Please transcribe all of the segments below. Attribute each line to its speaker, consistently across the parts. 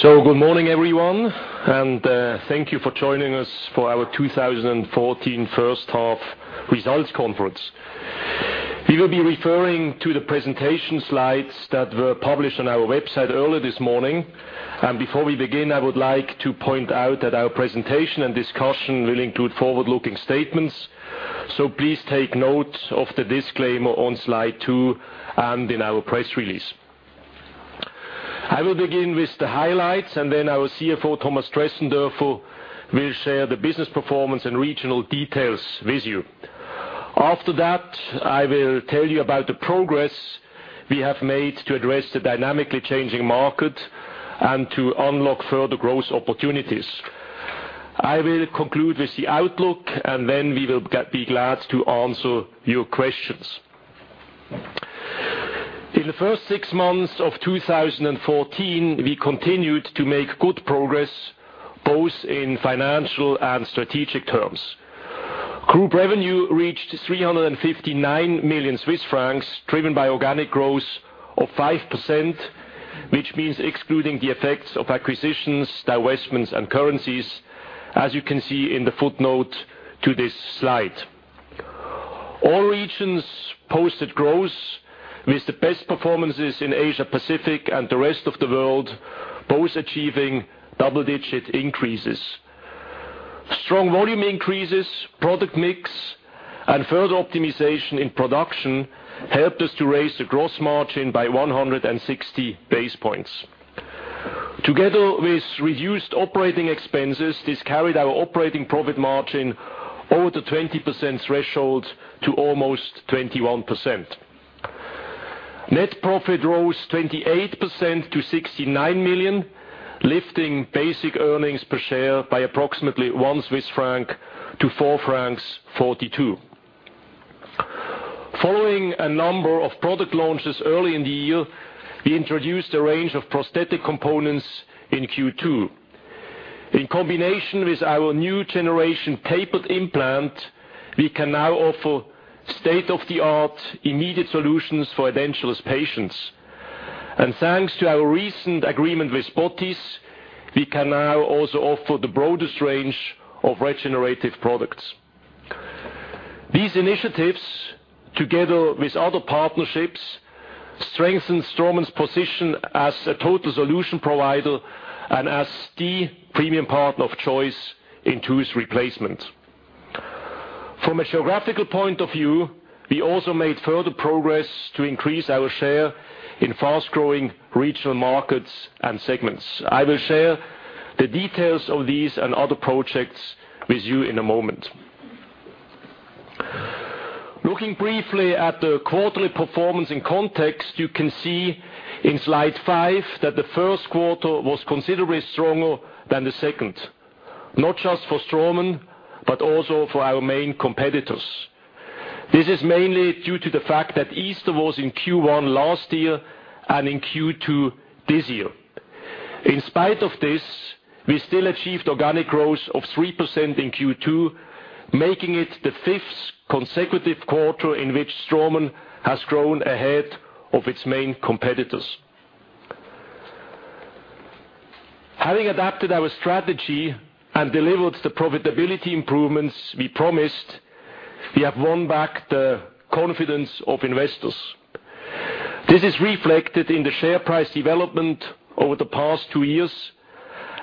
Speaker 1: Good morning, everyone, thank you for joining us for our 2014 first half results conference. We will be referring to the presentation slides that were published on our website earlier this morning. Before we begin, I would like to point out that our presentation and discussion will include forward-looking statements, please take note of the disclaimer on slide two and in our press release. I will begin with the highlights, then our CFO, Peter Hackel, will share the business performance and regional details with you. After that, I will tell you about the progress we have made to address the dynamically changing market and to unlock further growth opportunities. I will conclude with the outlook, then we will be glad to answer your questions. In the first six months of 2014, we continued to make good progress, both in financial and strategic terms. Group revenue reached 359 million Swiss francs, driven by organic growth of 5%, which means excluding the effects of acquisitions, divestments, and currencies, as you can see in the footnote to this slide. All regions posted growth, with the best performances in Asia-Pacific and the rest of the world both achieving double-digit increases. Strong volume increases, product mix, and further optimization in production helped us to raise the gross margin by 160 basis points. Together with reduced operating expenses, this carried our operating profit margin over the 20% threshold to almost 21%. Net profit rose 28% to 69 million, lifting basic earnings per share by approximately 1 Swiss franc to 4.42 francs. Following a number of product launches early in the year, we introduced a range of prosthetic components in Q2. In combination with our new-generation Bone Level Tapered implant, we can now offer state-of-the-art immediate solutions for edentulous patients. Thanks to our recent agreement with Botiss, we can now also offer the broadest range of regenerative products. These initiatives, together with other partnerships, strengthen Straumann's position as a total solution provider and as the premium partner of choice in tooth replacement. From a geographical point of view, we also made further progress to increase our share in fast-growing regional markets and segments. I will share the details of these and other projects with you in a moment. Looking briefly at the quarterly performance in context, you can see in slide five that the first quarter was considerably stronger than the second, not just for Straumann, but also for our main competitors. This is mainly due to the fact that Easter was in Q1 last year and in Q2 this year. In spite of this, we still achieved organic growth of 3% in Q2, making it the fifth consecutive quarter in which Straumann has grown ahead of its main competitors. Having adapted our strategy and delivered the profitability improvements we promised, we have won back the confidence of investors. This is reflected in the share price development over the past two years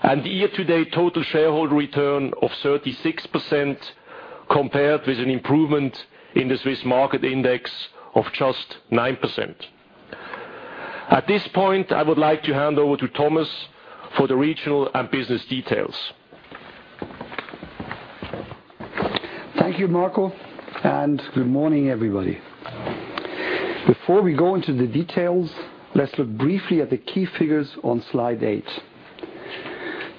Speaker 1: and year-to-date total shareholder return of 36%, compared with an improvement in the Swiss market index of just 9%. At this point, I would like to hand over to Peter for the regional and business details.
Speaker 2: Thank you, Marco, and good morning, everybody. Before we go into the details, let's look briefly at the key figures on slide eight.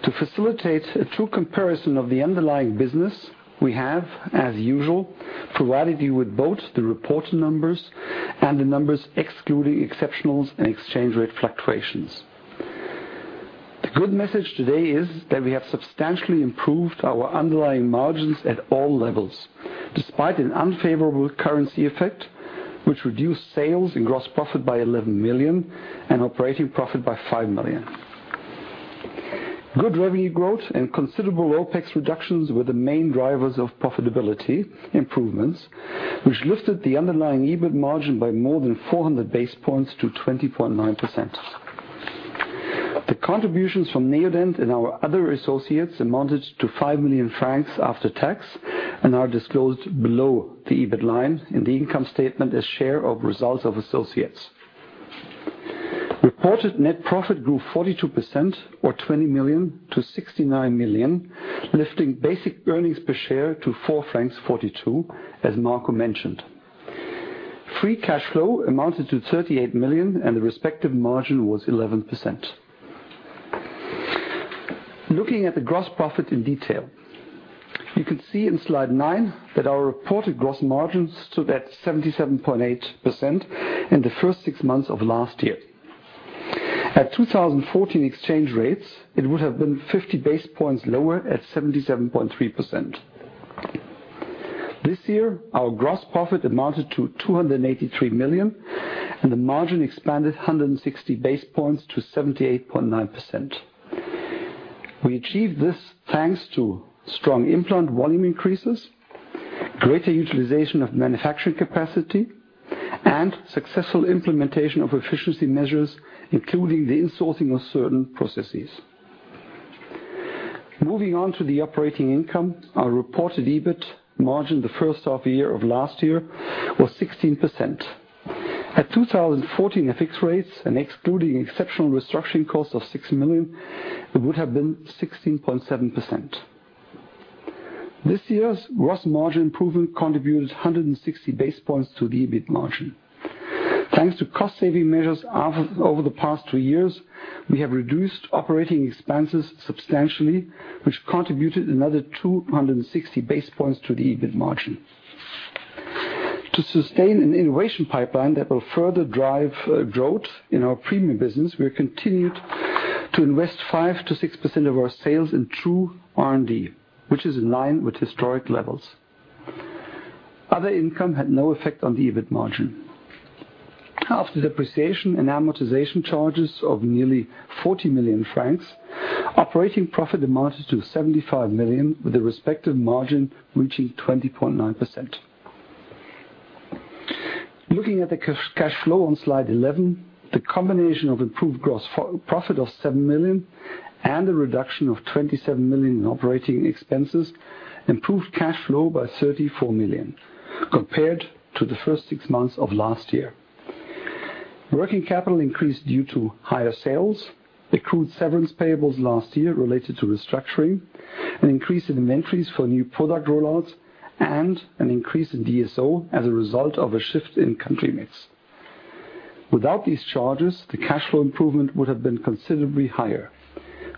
Speaker 2: To facilitate a true comparison of the underlying business, we have, as usual, provided you with both the reported numbers and the numbers excluding exceptionals and exchange rate fluctuations. The good message today is that we have substantially improved our underlying margins at all levels, despite an unfavorable currency effect, which reduced sales and gross profit by 11 million and operating profit by 5 million. Good revenue growth and considerable OPEX reductions were the main drivers of profitability improvements, which lifted the underlying EBIT margin by more than 400 basis points to 20.9%. The contributions from Neodent and our other associates amounted to 5 million francs after tax and are disclosed below the EBIT line in the income statement as share of results of associates. Reported net profit grew 42%, or 20 million to 69 million, lifting basic earnings per share to 4.42 francs, as Marco mentioned. Free cash flow amounted to 38 million, and the respective margin was 11%. Looking at the gross profit in detail. You can see in slide nine that our reported gross margins stood at 77.8% in the first six months of last year. At 2014 exchange rates, it would have been 50 basis points lower at 77.3%. This year, our gross profit amounted to 283 million, and the margin expanded 160 basis points to 78.9%. We achieved this thanks to strong implant volume increases, greater utilization of manufacturing capacity, and successful implementation of efficiency measures, including the insourcing of certain processes. Moving on to the operating income, our reported EBIT margin the first half year of last year was 16%. At 2014 FX rates and excluding exceptional restructuring costs of 6 million, it would have been 16.7%. This year's gross margin improvement contributed 160 basis points to the EBIT margin. Thanks to cost-saving measures over the past two years, we have reduced operating expenses substantially, which contributed another 260 basis points to the EBIT margin. To sustain an innovation pipeline that will further drive growth in our premium business, we have continued to invest 5%-6% of our sales in true R&D, which is in line with historic levels. Other income had no effect on the EBIT margin. After depreciation and amortization charges of nearly 40 million francs, operating profit amounted to 75 million, with the respective margin reaching 20.9%. Looking at the cash flow on slide 11, the combination of improved gross profit of 7 million and a reduction of 27 million in operating expenses improved cash flow by 34 million compared to the first six months of last year. Working capital increased due to higher sales, accrued severance payables last year related to restructuring, an increase in inventories for new product rollouts, and an increase in DSO as a result of a shift in country mix. Without these charges, the cash flow improvement would have been considerably higher,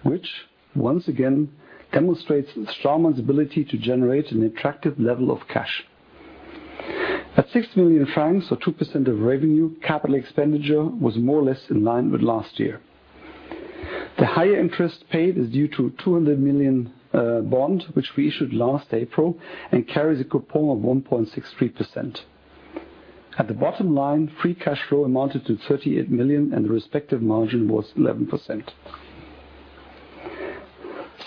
Speaker 2: which once again demonstrates Straumann's ability to generate an attractive level of cash. At 6 million francs, or 2% of revenue, capital expenditure was more or less in line with last year. The higher interest paid is due to a 200 million bond, which we issued last April and carries a coupon of 1.63%. At the bottom line, free cash flow amounted to 38 million, and the respective margin was 11%.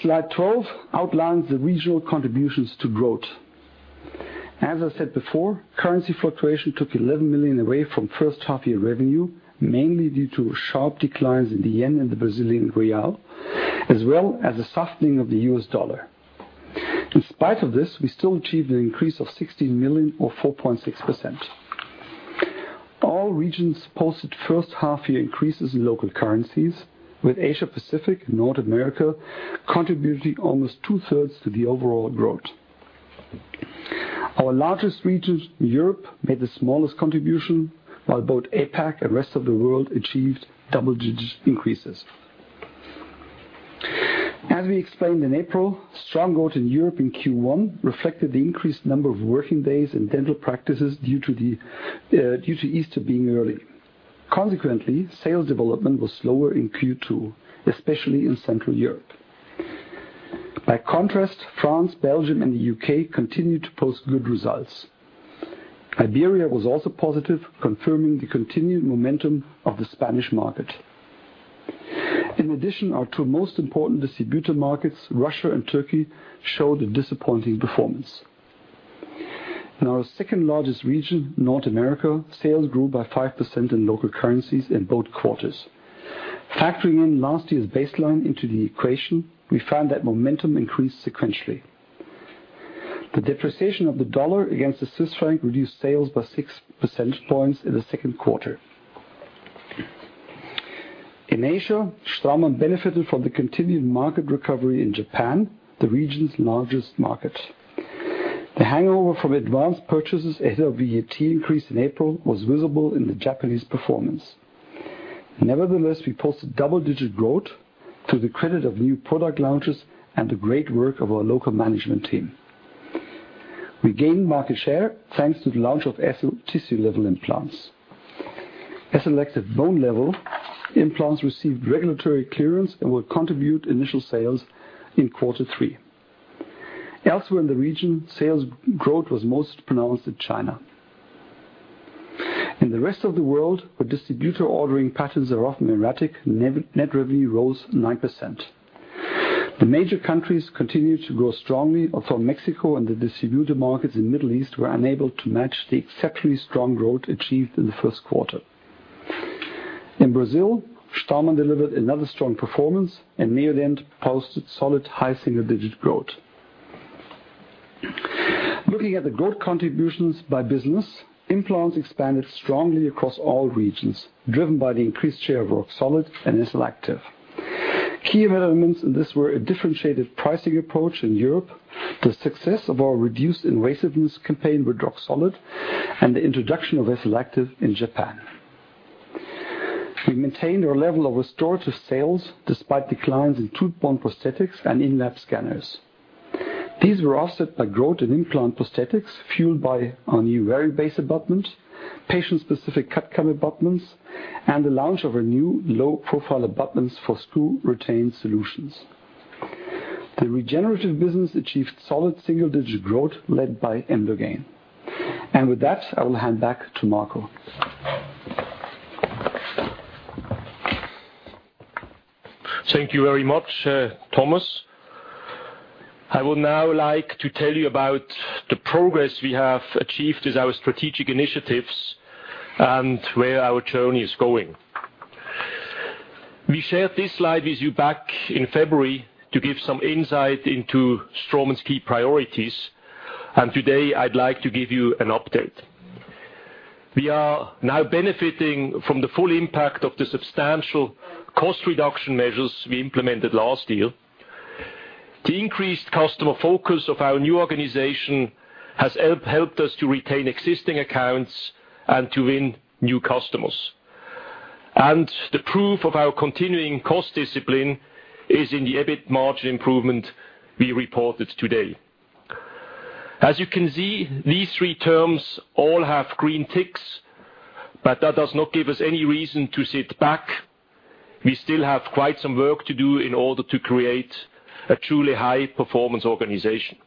Speaker 2: Slide 12 outlines the regional contributions to growth. As I said before, currency fluctuation took 11 million away from first-half-year revenue, mainly due to sharp declines in the JPY and the BRL, as well as a softening of the USD. In spite of this, we still achieved an increase of 16 million or 4.6%. All regions posted first half-year increases in local currencies, with Asia-Pacific and North America contributing almost two-thirds to the overall growth. Our largest region, Europe, made the smallest contribution, while both APAC and Rest of the World achieved double-digit increases. As we explained in April, strong growth in Europe in Q1 reflected the increased number of working days in dental practices due to Easter being early. Consequently, sales development was slower in Q2, especially in Central Europe. By contrast, France, Belgium, and the U.K. continued to post good results. Iberia was also positive, confirming the continued momentum of the Spanish market. In addition, our two most important distributor markets, Russia and Turkey, showed a disappointing performance. In our second-largest region, North America, sales grew by 5% in local currencies in both quarters. Factoring in last year's baseline into the equation, we found that momentum increased sequentially. The depreciation of the USD against the CHF reduced sales by six percentage points in the second quarter. In Asia, Straumann benefited from the continued market recovery in Japan, the region's largest market. The hangover from advanced purchases ahead of VAT increase in April was visible in the Japanese performance. Nevertheless, we posted double-digit growth to the credit of new product launches and the great work of our local management team. We gained market share thanks to the launch of SL tissue-level implants. SLActive Bone Level implants received regulatory clearance and will contribute initial sales in quarter three. Elsewhere in the region, sales growth was most pronounced in China. In the rest of the world, where distributor ordering patterns are often erratic, net revenue rose 9%. The major countries continued to grow strongly, although Mexico and the distributor markets in Middle East were unable to match the exceptionally strong growth achieved in the first quarter. In Brazil, Straumann delivered another strong performance, and Neodent posted solid high single-digit growth. Looking at the growth contributions by business, implants expanded strongly across all regions, driven by the increased share of Roxolid and SLActive. Key elements in this were a differentiated pricing approach in Europe, the success of our reduced invasiveness campaign with Roxolid, and the introduction of SLActive in Japan. We maintained our level of restorative sales despite declines in tooth-borne prosthetics and in-lab scanners. These were offset by growth in implant prosthetics fueled by our new Variobase abutment, patient-specific CAD/CAM abutments, and the launch of our new low-profile abutments for screw-retained solutions. The regenerative business achieved solid single-digit growth led by Emdogain. With that, I will hand back to Marco.
Speaker 1: Thank you very much, Thomas. I would now like to tell you about the progress we have achieved with our strategic initiatives and where our journey is going. We shared this slide with you back in February to give some insight into Straumann's key priorities. Today I'd like to give you an update. We are now benefiting from the full impact of the substantial cost reduction measures we implemented last year. The increased customer focus of our new organization has helped us to retain existing accounts and to win new customers. The proof of our continuing cost discipline is in the EBIT margin improvement we reported today. As you can see, these three terms all have green ticks. That does not give us any reason to sit back. We still have quite some work to do in order to create a truly high-performance organization.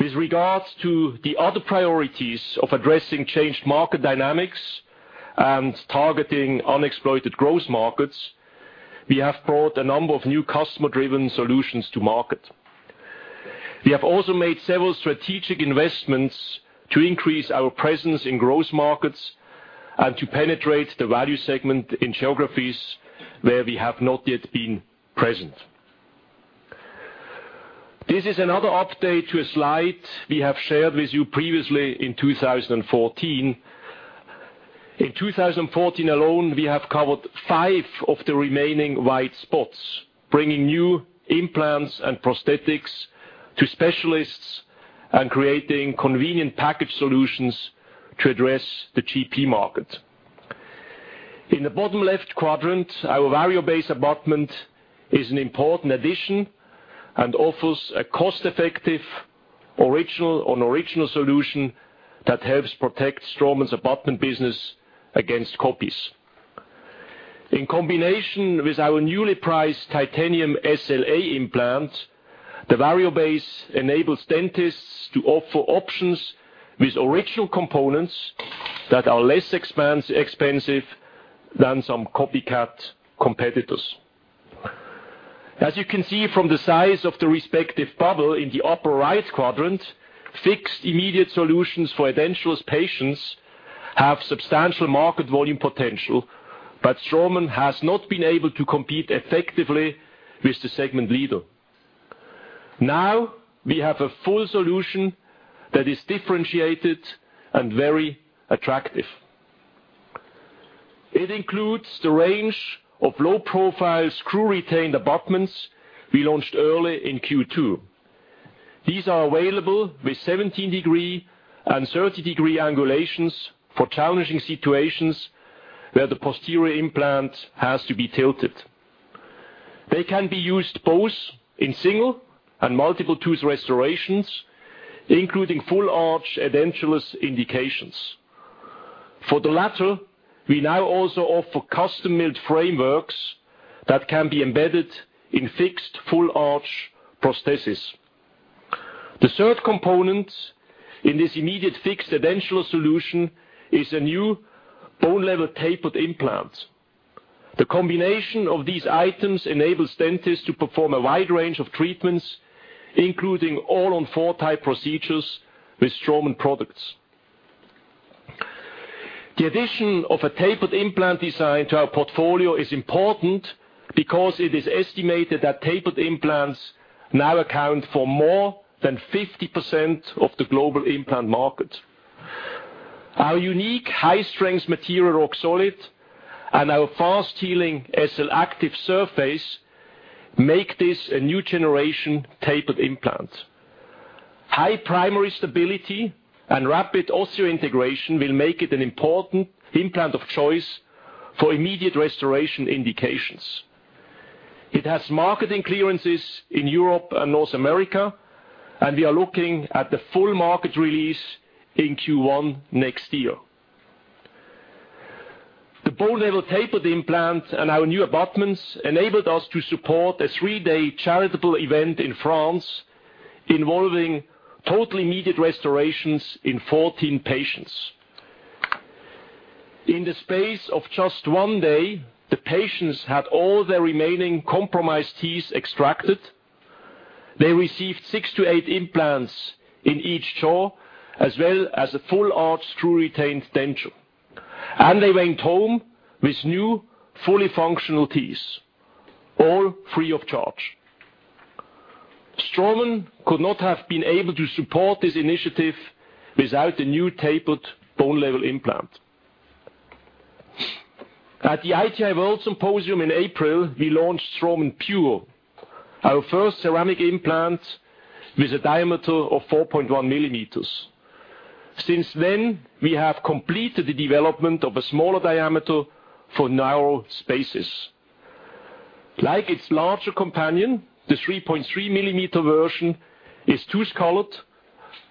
Speaker 1: With regards to the other priorities of addressing changed market dynamics and targeting unexploited growth markets, we have brought a number of new customer-driven solutions to market. We have also made several strategic investments to increase our presence in growth markets and to penetrate the value segment in geographies where we have not yet been present. This is another update to a slide we have shared with you previously in 2014. In 2014 alone, we have covered five of the remaining white spots, bringing new implants and prosthetics to specialists and creating convenient package solutions to address the GP market. In the bottom left quadrant, our Variobase abutment is an important addition and offers a cost-effective original-on-original solution that helps protect Straumann's abutment business against copies. In combination with our newly priced titanium SLA implant, the Variobase enables dentists to offer options with original components that are less expensive than some copycat competitors. As you can see from the size of the respective bubble in the upper right quadrant, fixed immediate solutions for edentulous patients have substantial market volume potential. Straumann has not been able to compete effectively with the segment leader. Now we have a full solution that is differentiated and very attractive. It includes the range of low-profile screw-retained abutments we launched early in Q2. These are available with 17 degrees and 30 degrees angulations for challenging situations where the posterior implant has to be tilted. They can be used both in single and multiple tooth restorations, including full-arch edentulous indications. For the latter, we now also offer custom-milled frameworks that can be embedded in fixed full-arch prostheses. The third component in this immediate fixed edentulous solution is a new Bone Level Tapered implant. The combination of these items enables dentists to perform a wide range of treatments, including All-on-4-type procedures with Straumann products. The addition of a tapered implant design to our portfolio is important because it is estimated that tapered implants now account for more than 50% of the global implant market. Our unique high-strength material, Roxolid, and our fast-healing SLActive surface make this a new generation tapered implant. High primary stability and rapid osseointegration will make it an important implant of choice for immediate restoration indications. It has marketing clearances in Europe and North America. We are looking at the full market release in Q1 next year. The Bone Level Tapered implant and our new abutments enabled us to support a three-day charitable event in France involving total immediate restorations in 14 patients. In the space of just one day, the patients had all their remaining compromised teeth extracted. They received six to eight implants in each jaw, as well as a full-arch screw-retained denture, and they went home with new, fully functional teeth, all free of charge. Straumann could not have been able to support this initiative without the new tapered bone-level implant. At the ITI World Symposium in April, we launched Straumann PURE, our first ceramic implant with a diameter of 4.1 millimeters. Since then, we have completed the development of a smaller diameter for narrow spaces. Like its larger companion, the 3.3-millimeter version is tooth-colored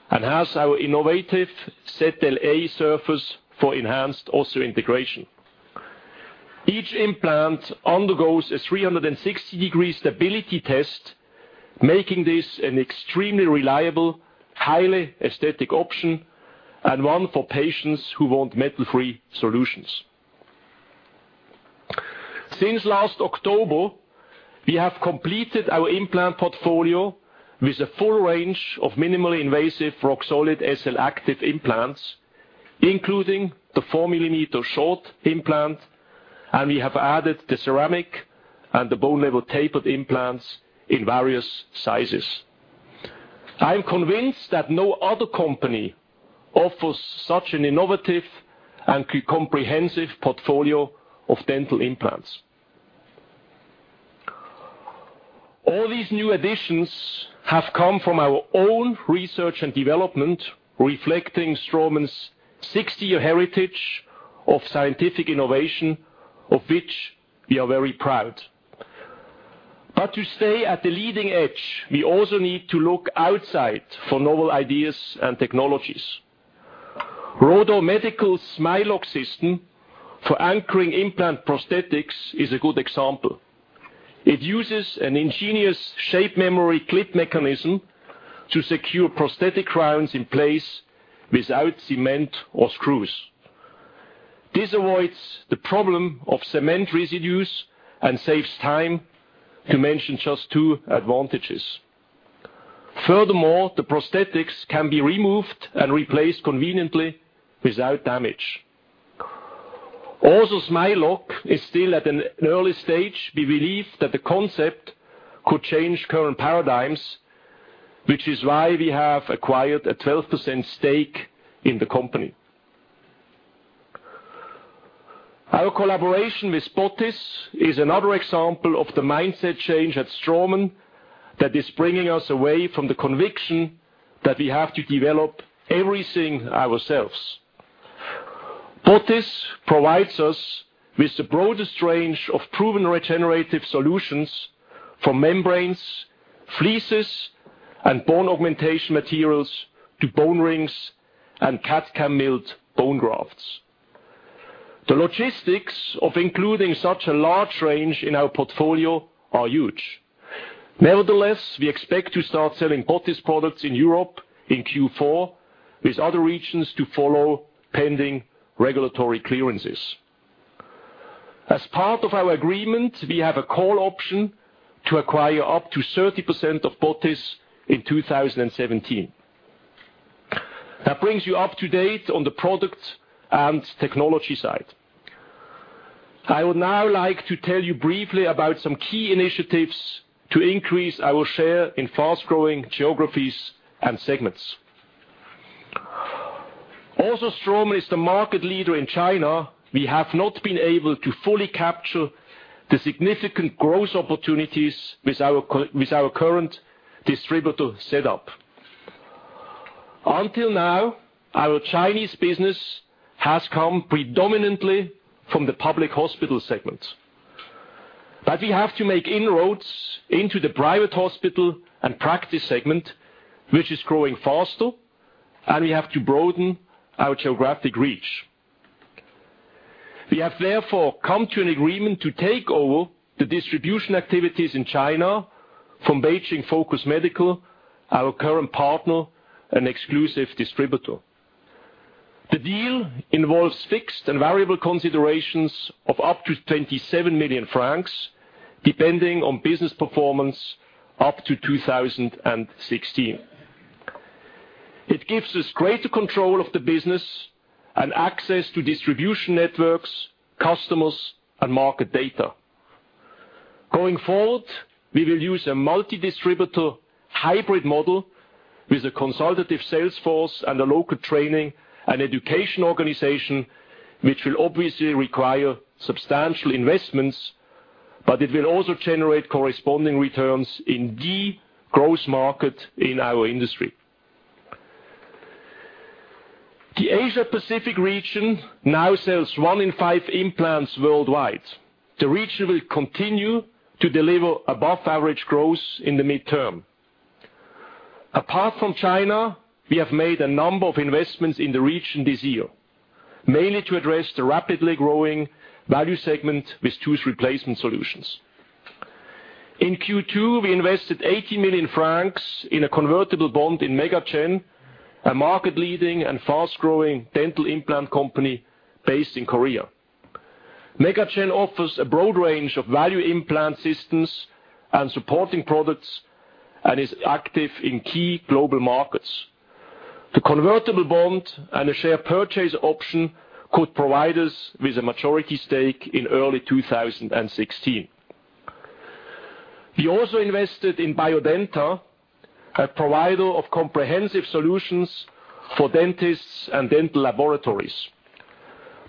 Speaker 1: and has our innovative ZLA surface for enhanced osseointegration. Each implant undergoes a 360-degree stability test, making this an extremely reliable, highly aesthetic option and one for patients who want metal-free solutions. Since last October, we have completed our implant portfolio with a full range of minimally invasive Roxolid SLActive implants, including the 4-millimeter short implant, and we have added the ceramic and the bone level tapered implants in various sizes. I am convinced that no other company offers such an innovative and comprehensive portfolio of dental implants. All these new additions have come from our own research and development, reflecting Straumann's 60-year heritage of scientific innovation, of which we are very proud. To stay at the leading edge, we also need to look outside for novel ideas and technologies. Rodo Medical's Smileloc system for anchoring implant prosthetics is a good example. It uses an ingenious shape-memory clip mechanism to secure prosthetic crowns in place without cement or screws. This avoids the problem of cement residues and saves time, to mention just two advantages. Furthermore, the prosthetics can be removed and replaced conveniently without damage. Smileloc is still at an early stage. We believe that the concept could change current paradigms, which is why we have acquired a 12% stake in the company. Our collaboration with Botiss is another example of the mindset change at Straumann that is bringing us away from the conviction that we have to develop everything ourselves. Botiss provides us with the broadest range of proven regenerative solutions from membranes, fleeces, and bone augmentation materials to bone rings and CAD/CAM milled bone grafts. The logistics of including such a large range in our portfolio are huge. Nevertheless, we expect to start selling Botiss products in Europe in Q4, with other regions to follow pending regulatory clearances. As part of our agreement, we have a call option to acquire up to 30% of Botiss in 2017. That brings you up to date on the product and technology side. I would now like to tell you briefly about some key initiatives to increase our share in fast-growing geographies and segments. Straumann is the market leader in China. We have not been able to fully capture the significant growth opportunities with our current distributor setup. Until now, our Chinese business has come predominantly from the public hospital segment. We have to make inroads into the private hospital and practice segment, which is growing faster, and we have to broaden our geographic reach. We have therefore come to an agreement to take over the distribution activities in China from Beijing Focus Medical, our current partner and exclusive distributor. The deal involves fixed and variable considerations of up to 27 million francs, depending on business performance, up to 2016. It gives us greater control of the business and access to distribution networks, customers, and market data. Going forward, we will use a multi-distributor hybrid model with a consultative sales force and a local training and education organization, which will obviously require substantial investments, but it will also generate corresponding returns in the growth market in our industry. The Asia Pacific region now sells one in five implants worldwide. The region will continue to deliver above average growth in the midterm. Apart from China, we have made a number of investments in the region this year, mainly to address the rapidly growing value segment with tooth replacement solutions. In Q2, we invested 80 million francs in a convertible bond in MegaGen, a market-leading and fast-growing dental implant company based in Korea. MegaGen offers a broad range of value implant systems and supporting products and is active in key global markets. The convertible bond and a share purchase option could provide us with a majority stake in early 2016. We also invested in Biodenta, a provider of comprehensive solutions for dentists and dental laboratories.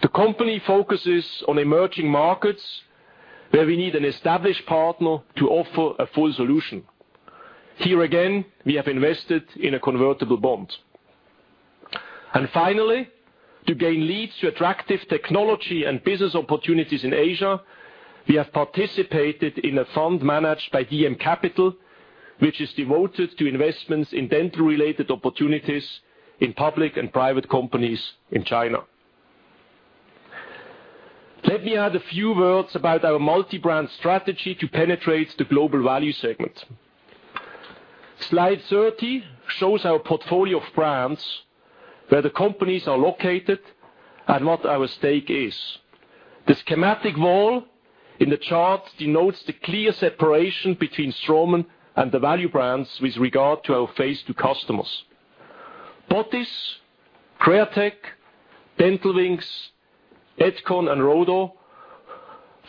Speaker 1: The company focuses on emerging markets where we need an established partner to offer a full solution. Here again, we have invested in a convertible bond. Finally, to gain leads to attractive technology and business opportunities in Asia, we have participated in a fund managed by DM Capital, which is devoted to investments in dental-related opportunities in public and private companies in China. Let me add a few words about our multi-brand strategy to penetrate the global value segment. Slide 30 shows our portfolio of brands, where the companies are located, and what our stake is. The schematic wall in the chart denotes the clear separation between Straumann and the value brands with regard to our face to customers. Botiss, Createch, Dental Wings, Etkon, and Rodo Medical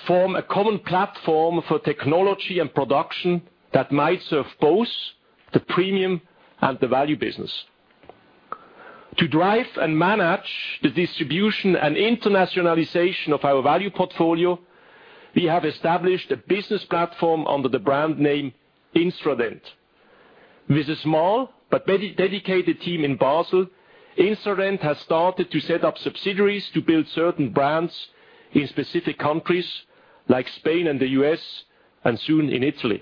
Speaker 1: form a common platform for technology and production that might serve both the premium and the value business. To drive and manage the distribution and internationalization of our value portfolio, we have established a business platform under the brand name Instradent. With a small but dedicated team in Basel, Instradent has started to set up subsidiaries to build certain brands in specific countries like Spain and the U.S., and soon in Italy.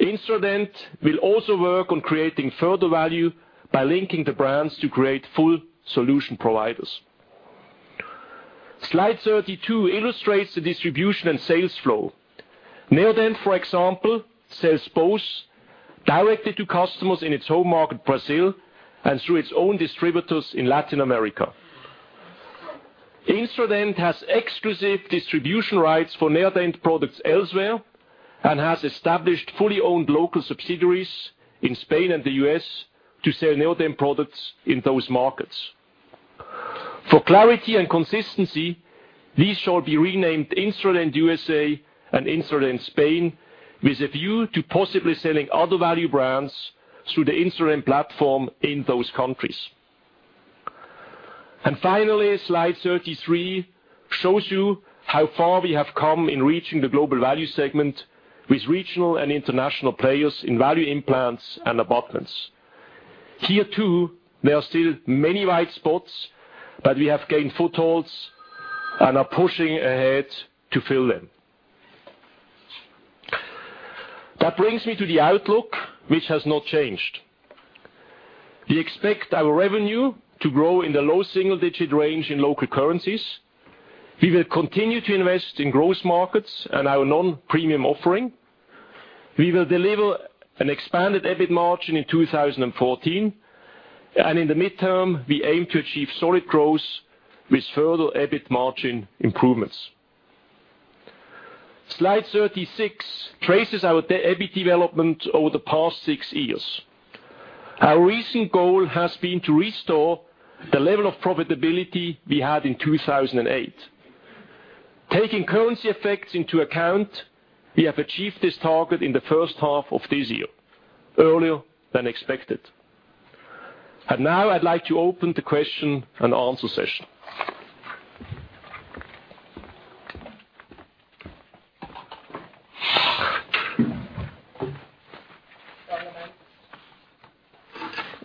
Speaker 1: Instradent will also work on creating further value by linking the brands to create full solution providers. Slide 32 illustrates the distribution and sales flow. Neodent, for example, sells both directly to customers in its home market, Brazil, and through its own distributors in Latin America. Instradent has exclusive distribution rights for Neodent products elsewhere and has established fully owned local subsidiaries in Spain and the U.S. to sell Neodent products in those markets. For clarity and consistency, these shall be renamed Instradent USA and Instradent Spain with a view to possibly selling other value brands through the Instradent platform in those countries. Finally, Slide 33 shows you how far we have come in reaching the global value segment with regional and international players in value implants and abutments. Here too, there are still many white spots, but we have gained footholds and are pushing ahead to fill them. That brings me to the outlook, which has not changed. We expect our revenue to grow in the low single-digit range in local currencies. We will continue to invest in growth markets and our non-premium offering. We will deliver an expanded EBIT margin in 2014. In the midterm, we aim to achieve solid growth with further EBIT margin improvements. Slide 36 traces our EBIT development over the past six years. Our recent goal has been to restore the level of profitability we had in 2008. Taking currency effects into account, we have achieved this target in the first half of this year, earlier than expected. Now I'd like to open the question and answer session.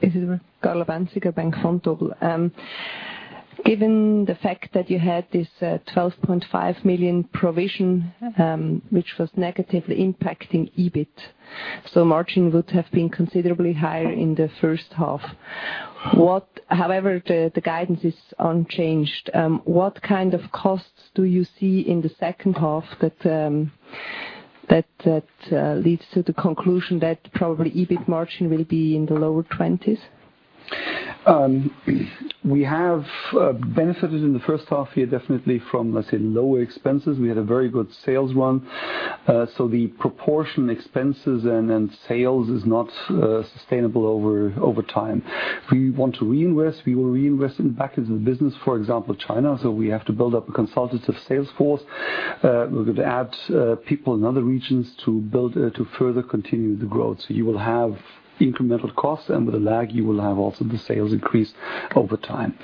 Speaker 3: This is Carla Bänziger, Bank Vontobel. Given the fact that you had this 12.5 million provision, which was negatively impacting EBIT, margin would have been considerably higher in the first half. However, the guidance is unchanged. What kind of costs do you see in the second half that leads to the conclusion that probably EBIT margin will be in the lower twenties?
Speaker 2: We have benefited in the first half year, definitely from, let's say, lower expenses. We had a very good sales run. The proportion expenses and sales is not sustainable over time. We want to reinvest. We will reinvest it back into the business, for example, China. We have to build up a consultative sales force. We're going to add people in other regions to further continue the growth. You will have incremental costs, and with the lag, you will have also the sales increase over time.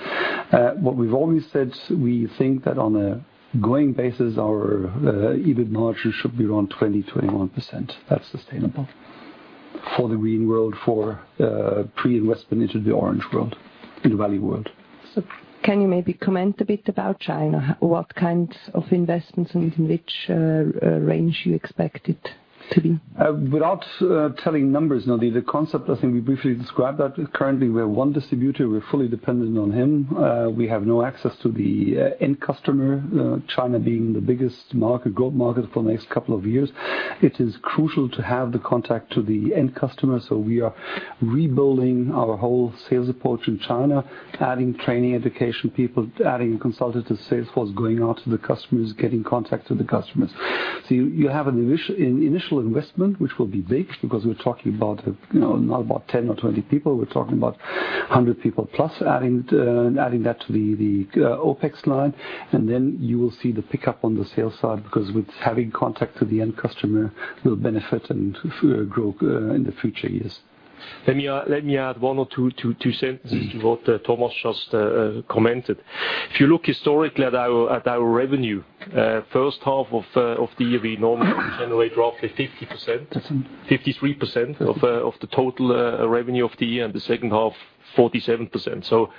Speaker 2: What we've always said, we think that on a going basis, our EBIT margin should be around 20%-21%. That's sustainable for the green world, for pre-investment into the orange world, in the value world.
Speaker 3: Can you maybe comment a bit about China? What kinds of investments and in which range you expect it to be?
Speaker 2: Without telling numbers, the concept, I think we briefly described that currently we have one distributor. We are fully dependent on him. We have no access to the end customer. China being the biggest market, growth market for the next couple of years, it is crucial to have the contact to the end customer. We are rebuilding our whole sales approach in China, adding training, education people, adding consultative sales force, going out to the customers, getting contact to the customers. You have an initial investment, which will be big because we are talking about not about 10 or 20 people, we are talking about 100 people plus, adding that to the OPEX line, and then you will see the pickup on the sales side because with having contact to the end customer will benefit and grow in the future years.
Speaker 1: Let me add one or two sentences to what Thomas just commented. If you look historically at our revenue, first half of the year, we normally generate roughly 53% of the total revenue of the year, and the second half, 47%.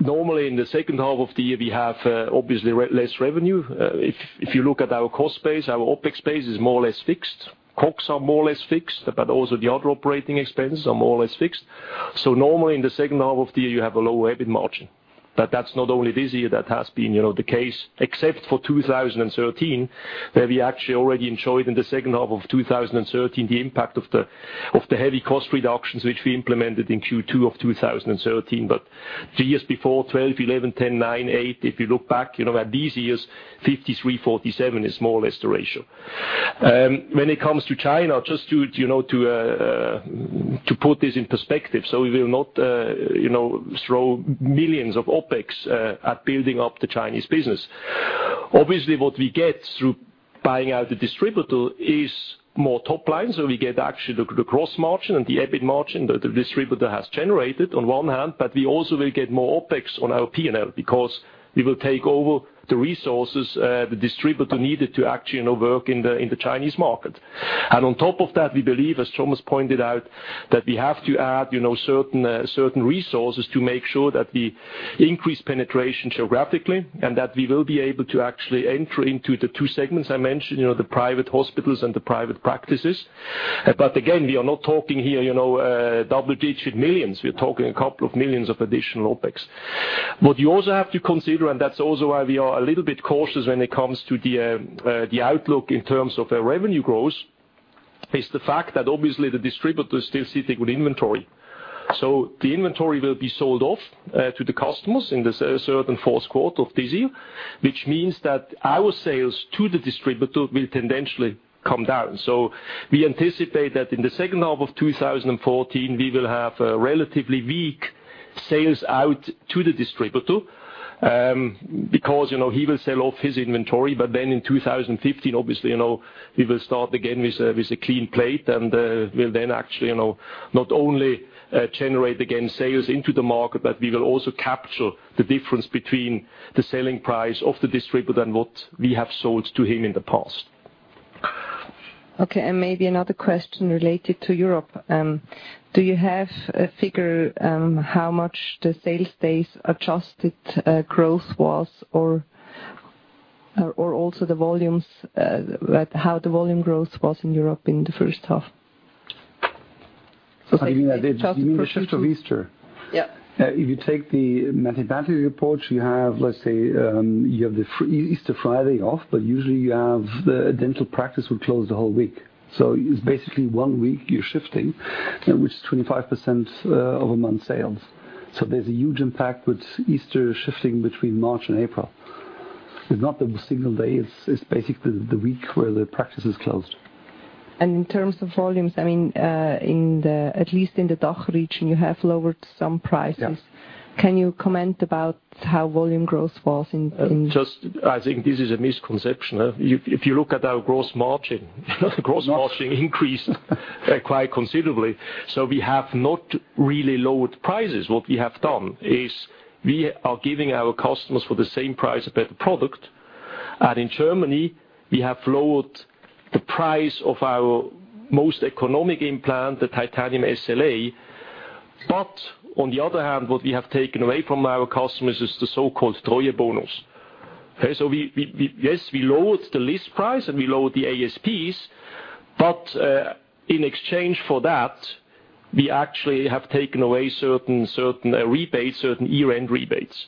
Speaker 1: Normally, in the second half of the year, we have obviously less revenue. If you look at our cost base, our OpEx base is more or less fixed. COGS are more or less fixed, but also the other operating expenses are more or less fixed. Normally, in the second half of the year, you have a lower EBIT margin. That is not only this year that has been the case, except for 2013, where we actually already enjoyed in the second half of 2013, the impact of the heavy cost reductions which we implemented in Q2 of 2013. The years before 2012, 2011, 2010, 2009, 2008, if you look back, at these years, 53/47 is more or less the ratio. When it comes to China, just to put this in perspective, we will not throw millions of OpEx at building up the Chinese business. Obviously, what we get through buying out the distributor is more top line. We get actually the gross margin and the EBIT margin that the distributor has generated on one hand, but we also will get more OpEx on our P&L because we will take over the resources the distributor needed to actually work in the Chinese market. On top of that, we believe, as Thomas pointed out, that we have to add certain resources to make sure that we increase penetration geographically, and that we will be able to actually enter into the two segments I mentioned, the private hospitals and the private practices. Again, we are not talking here CHF double-digit millions. We are talking a couple of millions of additional OpEx. What you also have to consider, and that is also why we are a little bit cautious when it comes to the outlook in terms of the revenue growth, is the fact that obviously the distributor is still sitting with inventory. The inventory will be sold off to the customers in the certain fourth quarter of this year, which means that our sales to the distributor will tendentially come down. We anticipate that in the second half of 2014, we will have relatively weak sales out to the distributor, because he will sell off his inventory. In 2015, obviously, we will start again with a clean plate, and we'll then actually not only generate again sales into the market, but we will also capture the difference between the selling price of the distributor and what we have sold to him in the past.
Speaker 3: Maybe another question related to Europe. Do you have a figure how much the sales base adjusted growth was or also the volumes, how the volume growth was in Europe in the first half?
Speaker 1: You mean the shift of Easter?
Speaker 3: Yeah.
Speaker 1: If you take the mathematical approach, you have, let's say, the Easter Friday off, but usually the dental practice will close the whole week. It's basically one week you're shifting, which is 25% of a month sales. There's a huge impact with Easter shifting between March and April. It's not the single day, it's basically the week where the practice is closed.
Speaker 3: In terms of volumes, at least in the DACH region, you have lowered some prices.
Speaker 1: Yeah.
Speaker 3: Can you comment about how volume growth was?
Speaker 1: I think this is a misconception. If you look at our gross margin, gross margin increased quite considerably. We have not really lowered prices. What we have done is we are giving our customers for the same price a better product. In Germany, we have lowered the price of our most economic implant, the titanium SLA. On the other hand, what we have taken away from our customers is the so-called Treuebonus. Yes, we lowered the list price and we lowered the ASPs, but in exchange for that, we actually have taken away certain rebates, certain year-end rebates.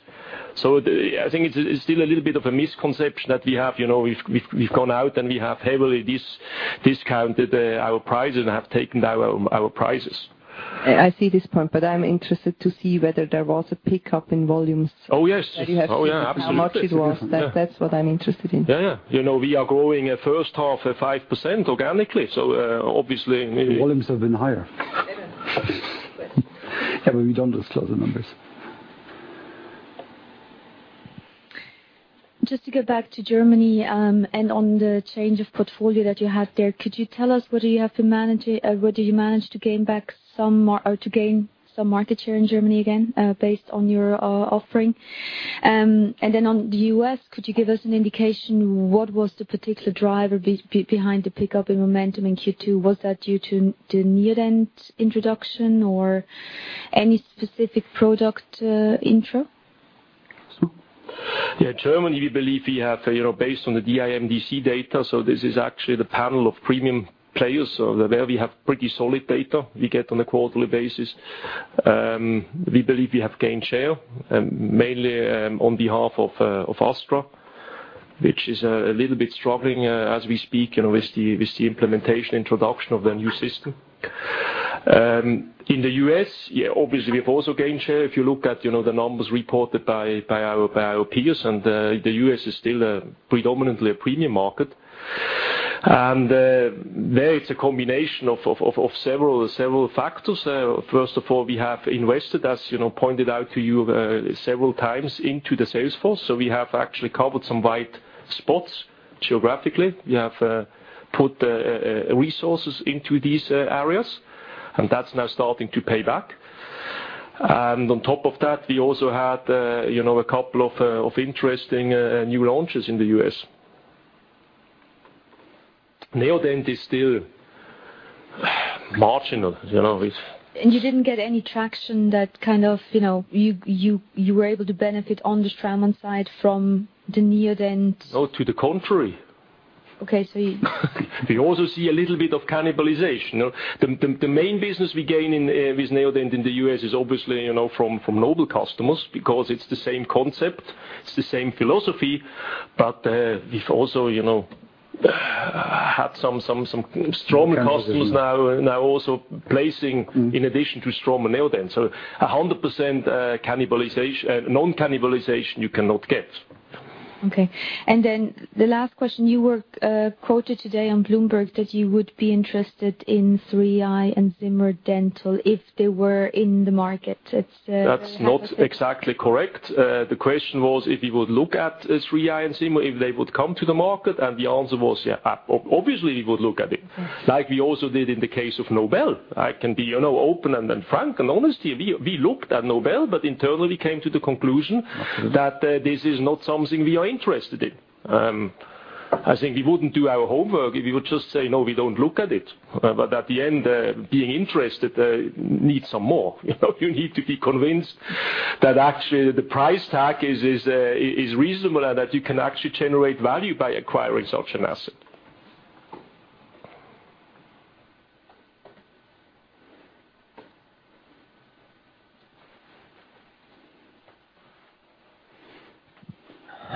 Speaker 1: I think it's still a little bit of a misconception that we've gone out and we have heavily discounted our prices and have taken down our prices.
Speaker 3: I see this point, but I'm interested to see whether there was a pickup in volumes.
Speaker 1: Oh, yes. Oh, yeah, absolutely.
Speaker 3: How much it was. That's what I'm interested in.
Speaker 1: Yeah. We are growing first half at 5% organically.
Speaker 2: The volumes have been higher.
Speaker 3: They don't disclose.
Speaker 2: We don't disclose the numbers.
Speaker 4: Just to get back to Germany, on the change of portfolio that you had there, could you tell us what did you manage to gain some market share in Germany again, based on your offering? On the U.S., could you give us an indication what was the particular driver behind the pickup in momentum in Q2? Was that due to Neodent introduction or any specific product intro?
Speaker 1: Germany, we believe we have, based on the DIMDC data, this is actually the panel of premium players. There we have pretty solid data we get on a quarterly basis. We believe we have gained share, mainly on behalf of Astra, which is a little bit struggling as we speak with the implementation, introduction of the new system. In the U.S., obviously, we've also gained share. If you look at the numbers reported by our peers, the U.S. is still predominantly a premium market. There it's a combination of several factors. First of all, we have invested, as pointed out to you several times, into the sales force. We have actually covered some white spots geographically. We have put the resources into these areas, and that's now starting to pay back. On top of that, we also had a couple of interesting new launches in the U.S. Neodent is still marginal.
Speaker 4: You didn't get any traction that you were able to benefit on the Straumann side from the Neodent?
Speaker 1: No, to the contrary.
Speaker 4: Okay.
Speaker 1: We also see a little bit of cannibalization. The main business we gain with Neodent in the U.S. is obviously from Nobel customers because it's the same concept, it's the same philosophy. We've also had some Straumann-
Speaker 4: Cannibalism
Speaker 1: customers now also placing in addition to Straumann, Neodent. 100% non-cannibalization you cannot get.
Speaker 4: The last question, you were quoted today on Bloomberg that you would be interested in 3i and Zimmer Dental if they were in the market.
Speaker 1: That's not exactly correct. The question was if we would look at 3i and Zimmer, if they would come to the market, the answer was, obviously, we would look at it, like we also did in the case of Nobel. I can be open and frank and honest here. We looked at Nobel, internally came to the conclusion that this is not something we are interested in. I think we wouldn't do our homework if we would just say, "No, we don't look at it." At the end, being interested needs some more. You need to be convinced that actually the price tag is reasonable and that you can actually generate value by acquiring such an asset.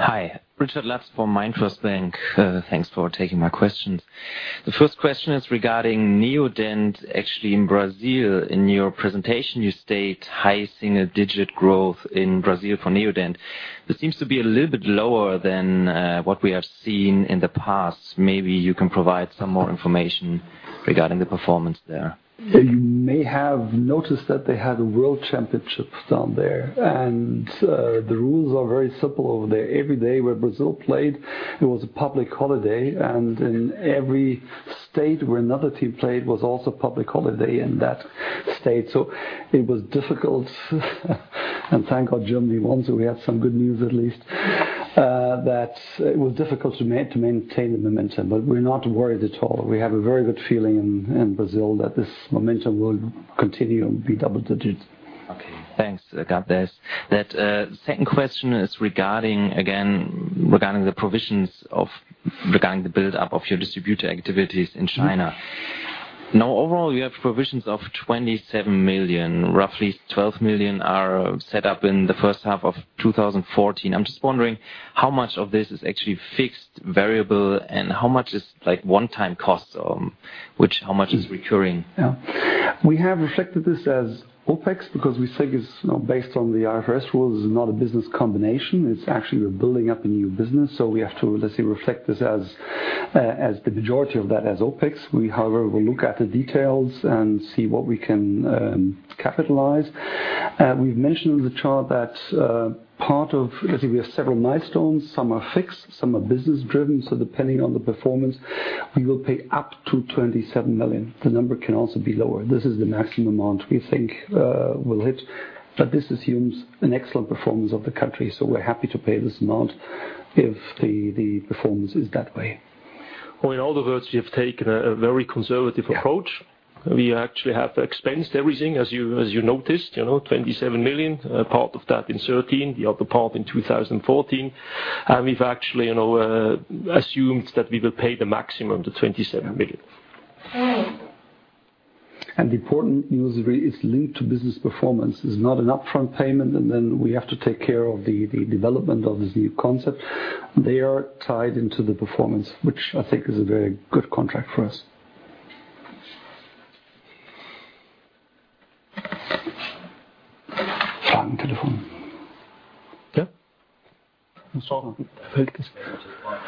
Speaker 5: Hi. Richard Lutz from MainFirst Bank. Thanks for taking my questions. The first question is regarding Neodent, actually in Brazil. In your presentation, you state high single-digit growth in Brazil for Neodent. That seems to be a little bit lower than what we have seen in the past. Maybe you can provide some more information regarding the performance there.
Speaker 2: You may have noticed that they had a world championship down there. The rules are very simple over there. Every day where Brazil played, it was a public holiday. In every state where another team played was also public holiday in that state. It was difficult. Thank God Germany won. We had some good news at least. It was difficult to maintain the momentum. We're not worried at all. We have a very good feeling in Brazil that this momentum will continue and be double digits.
Speaker 5: Okay. Thanks. I got this. That second question is regarding the provisions regarding the buildup of your distributor activities in China. Overall, you have provisions of 27 million. Roughly 12 million are set up in the first half of 2014. I'm just wondering how much of this is actually fixed variable, and how much is one-time cost, how much is recurring?
Speaker 2: We have reflected this as OpEx because we think it's based on the IFRS rules, it's not a business combination. It's actually we're building up a new business. We have to reflect this as the majority of that as OpEx. We, however, will look at the details and see what we can capitalize. We've mentioned in the chart that part of. We have several milestones, some are fixed, some are business-driven. Depending on the performance, we will pay up to 27 million. The number can also be lower. This is the maximum amount we think we'll hit. This assumes an excellent performance of the country. We're happy to pay this amount if the performance is that way.
Speaker 1: In other words, we have taken a very conservative approach.
Speaker 2: Yeah.
Speaker 1: We actually have expensed everything, as you noticed, 27 million. Part of that in 2013, the other part in 2014. We've actually assumed that we will pay the maximum 27 million.
Speaker 2: The important news is linked to business performance. It's not an upfront payment, then we have to take care of the development of this new concept. They are tied into the performance, which I think is a very good contract for us.
Speaker 1: Foreign telephone. Yeah. I'm sorry.
Speaker 4: Just one quick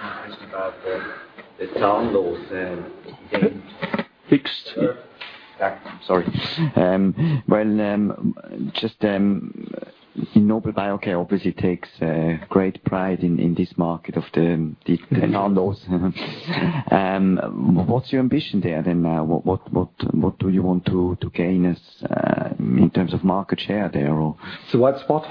Speaker 4: question about the values.
Speaker 1: Fixed
Speaker 4: sorry. Well, just Nobel Biocare obviously takes great pride in this market of the values. What's your ambition there then? What do you want to gain in terms of market share there?
Speaker 1: The white spot?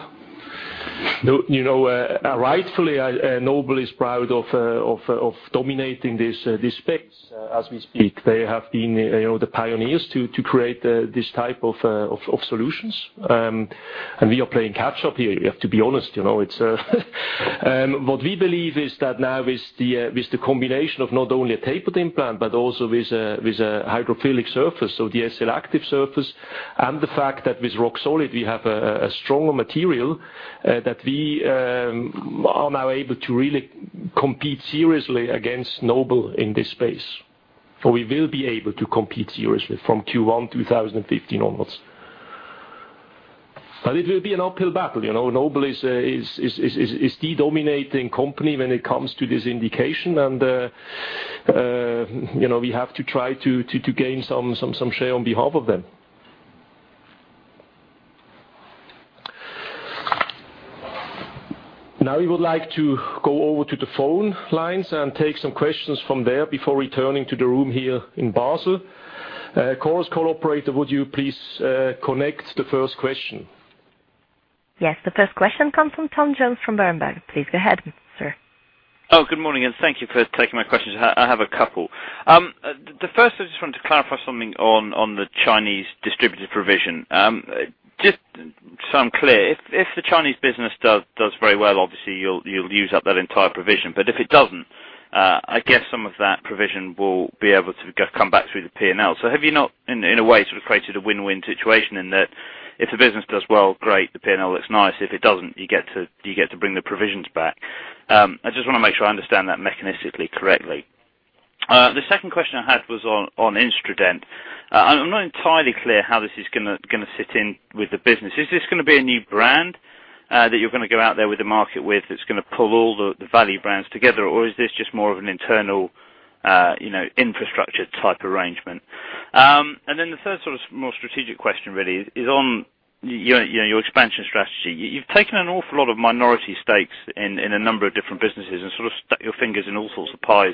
Speaker 1: Rightfully, Nobel is proud of dominating this space as we speak. They have been the pioneers to create this type of solutions. We are playing catch up here, we have to be honest. What we believe is that now with the combination of not only a tapered implant but also with a hydrophilic surface, so the SLActive surface, and the fact that with Roxolid we have a stronger material that we are now able to really compete seriously against Nobel in this space, or we will be able to compete seriously from Q1 2015 onwards. It will be an uphill battle. Nobel is the dominating company when it comes to this indication, we have to try to gain some share on behalf of them. We would like to go over to the phone lines and take some questions from there before returning to the room here in Basel. Chorus call operator, would you please connect the first question?
Speaker 6: Yes. The first question comes from Tom Jones from Berenberg. Please go ahead, sir.
Speaker 7: Good morning, and thank you for taking my questions. I have a couple. The first, I just want to clarify something on the Chinese distributor provision. Just so I'm clear, if the Chinese business does very well, obviously you'll use up that entire provision. If it doesn't, I guess some of that provision will be able to come back through the P&L. Have you not, in a way, sort of created a win-win situation in that if the business does well, great, the P&L looks nice. If it doesn't, you get to bring the provisions back. I just want to make sure I understand that mechanistically correctly. The second question I had was on Instradent. I'm not entirely clear how this is going to sit in with the business. Is this going to be a new brand that you're going to go out there with the market with, that's going to pull all the value brands together? Is this just more of an internal infrastructure type arrangement? The third sort of more strategic question really is on your expansion strategy. You've taken an awful lot of minority stakes in a number of different businesses and sort of stuck your fingers in all sorts of pies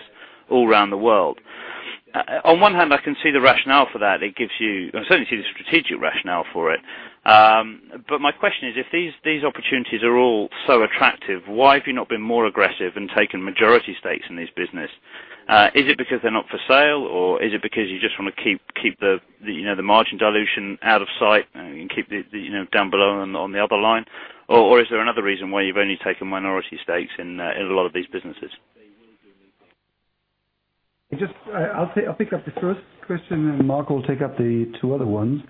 Speaker 7: all around the world. On one hand, I can see the rationale for that. I certainly see the strategic rationale for it. My question is, if these opportunities are all so attractive, why have you not been more aggressive and taken majority stakes in this business? Is it because they're not for sale, is it because you just want to keep the margin dilution out of sight and keep it down below on the other line? Is there another reason why you've only taken minority stakes in a lot of these businesses?
Speaker 2: I'll pick up the first question. Marco will take up the two other ones.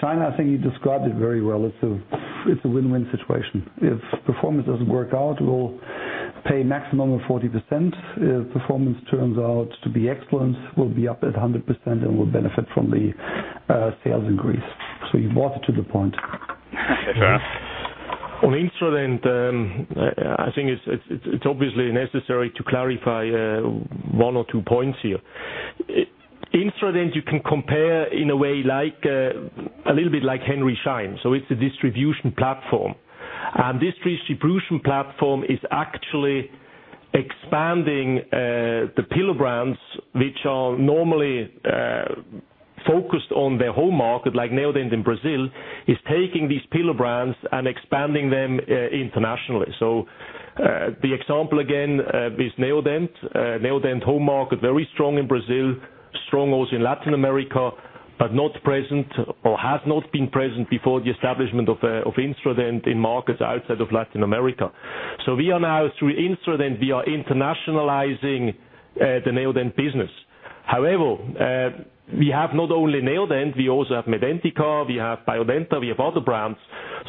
Speaker 2: China, I think you described it very well. It's a win-win situation. If performance doesn't work out, we'll pay a maximum of 40%. If performance turns out to be excellent, we'll be up at 100% and will benefit from the sales increase. You brought it to the point.
Speaker 1: On Instradent, I think it's obviously necessary to clarify one or two points here. Instradent you can compare in a way a little bit like Henry Schein. It's a distribution platform. This distribution platform is actually expanding the pillar brands, which are normally focused on their home market, like Neodent in Brazil, is taking these pillar brands and expanding them internationally. The example again is Neodent. Neodent home market, very strong in Brazil, strong also in Latin America, but not present or has not been present before the establishment of Instradent in markets outside of Latin America. We are now, through Instradent, we are internationalizing the Neodent business. However, we have not only Neodent, we also have Medentika, we have Biodenta, we have other brands.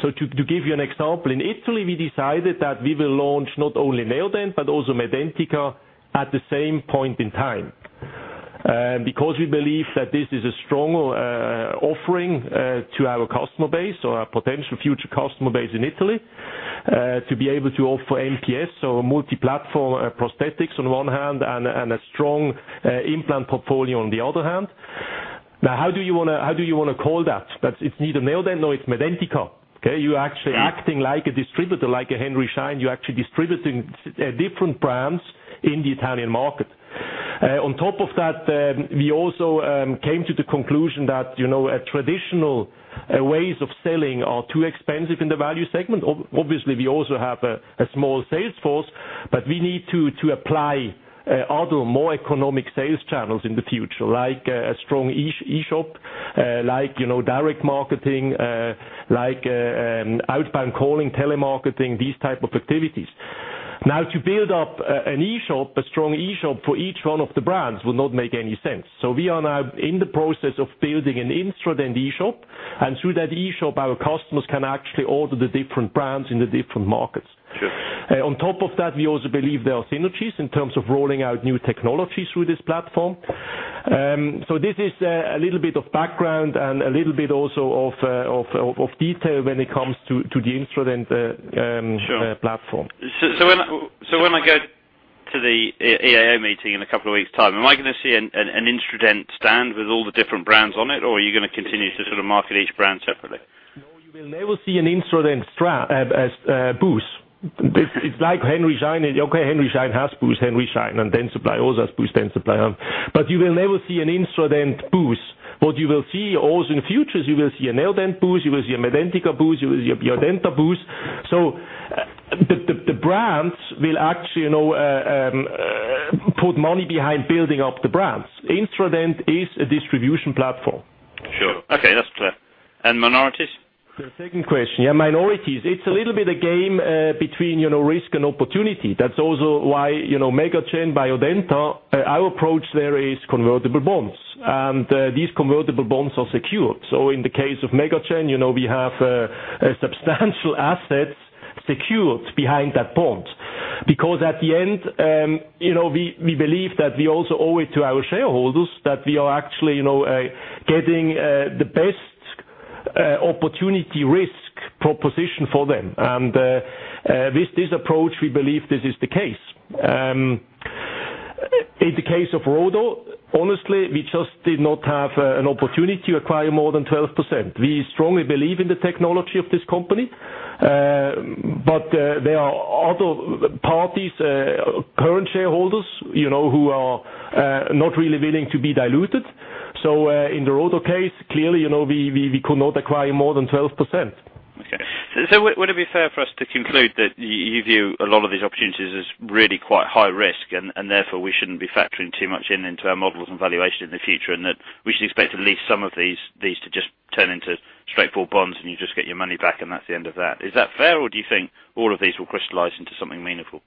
Speaker 1: To give you an example, in Italy, we decided that we will launch not only Neodent but also Medentika at the same point in time. Because we believe that this is a strong offering to our customer base or our potential future customer base in Italy, to be able to offer MPS or multi-platform prosthetics on one hand and a strong implant portfolio on the other hand. Now, how do you want to call that? That it's neither Neodent, nor it's Medentika. Okay? You're actually acting like a distributor, like a Henry Schein. You're actually distributing different brands in the Italian market. On top of that, we also came to the conclusion that traditional ways of selling are too expensive in the value segment. Obviously, we also have a small sales force, but we need to apply other, more economic sales channels in the future, like a strong e-shop, like direct marketing, like outbound calling, telemarketing, these type of activities. Now, to build up an e-shop, a strong e-shop for each one of the brands would not make any sense. We are now in the process of building an Instradent e-shop. Through that e-shop, our customers can actually order the different brands in the different markets.
Speaker 7: Sure.
Speaker 1: On top of that, we also believe there are synergies in terms of rolling out new technologies through this platform. This is a little bit of background and a little bit also of detail when it comes to the Instradent platform.
Speaker 7: When I go to the AAO meeting in a couple of weeks' time, am I going to see an Instradent stand with all the different brands on it, or are you going to continue to sort of market each brand separately?
Speaker 1: No. You will never see an Instradent booth. It's like Henry Schein. Okay, Henry Schein has booth Henry Schein, and Dentsply also has booth Dentsply. You will never see an Instradent booth. What you will see, also in the future, is you will see a Neodent booth, you will see a Medentika booth, you will see a Biodenta booth. The brands will actually put money behind building up the brands. Instradent is a distribution platform.
Speaker 7: Sure. Okay, that's clear. Minorities?
Speaker 1: Minorities. It's a little bit a game between risk and opportunity. That's also why MegaGen, Biodenta, our approach there is convertible bonds. These convertible bonds are secured. In the case of MegaGen, we have substantial assets secured behind that bond. At the end, we believe that we also owe it to our shareholders that we are actually getting the best opportunity risk proposition for them. With this approach, we believe this is the case. In the case of Rodo, honestly, we just did not have an opportunity to acquire more than 12%. We strongly believe in the technology of this company, but there are other parties, current shareholders, who are not really willing to be diluted. In the Rodo case, clearly, we could not acquire more than 12%.
Speaker 7: Okay. Would it be fair for us to conclude that you view a lot of these opportunities as really quite high risk, Therefore, we shouldn't be factoring too much into our models and valuation in the future, That we should expect at least some of these to just turn into straightforward bonds, You just get your money back and that's the end of that. Is that fair, or do you think all of these will crystallize into something meaningful?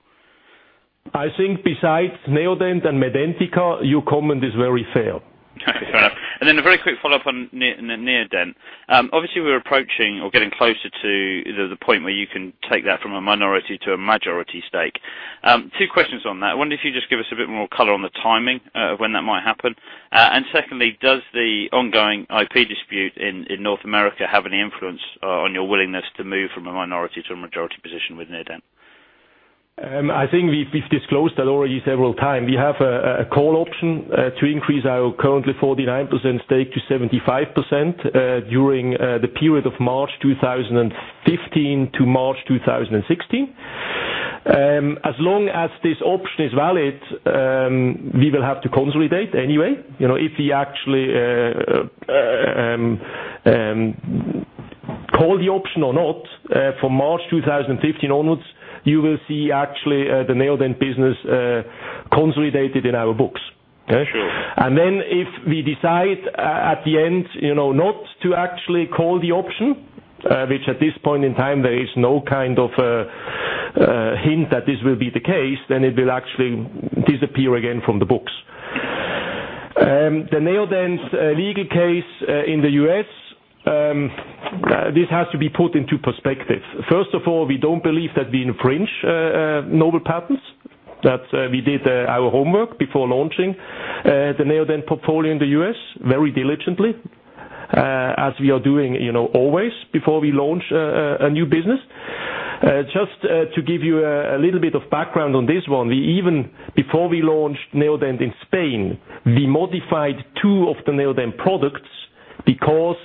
Speaker 1: I think besides Neodent and Medentika, your comment is very fair.
Speaker 7: Okay, fair enough. A very quick follow-up on Neodent. Obviously, we're approaching or getting closer to the point where you can take that from a minority to a majority stake. Two questions on that. I wonder if you just give us a bit more color on the timing of when that might happen. Secondly, does the ongoing IP dispute in North America have any influence on your willingness to move from a minority to a majority position with Neodent?
Speaker 1: I think we've disclosed that already several times. We have a call option to increase our currently 49% stake to 75% during the period of March 2015 to March 2016. As long as this option is valid, we will have to consolidate anyway. If we actually call the option or not for March 2015 onwards, you will see actually the Neodent business consolidated in our books. Okay?
Speaker 7: Sure.
Speaker 1: If we decide at the end not to actually call the option, which at this point in time, there is no hint that this will be the case, then it will actually disappear again from the books. The Neodent legal case in the U.S., this has to be put into perspective. First of all, we don't believe that we infringe Nobel patterns, that we did our homework before launching the Neodent portfolio in the U.S. very diligently, as we are doing always before we launch a new business. Just to give you a little bit of background on this one. Even before we launched Neodent in Spain, we modified two of the Neodent products because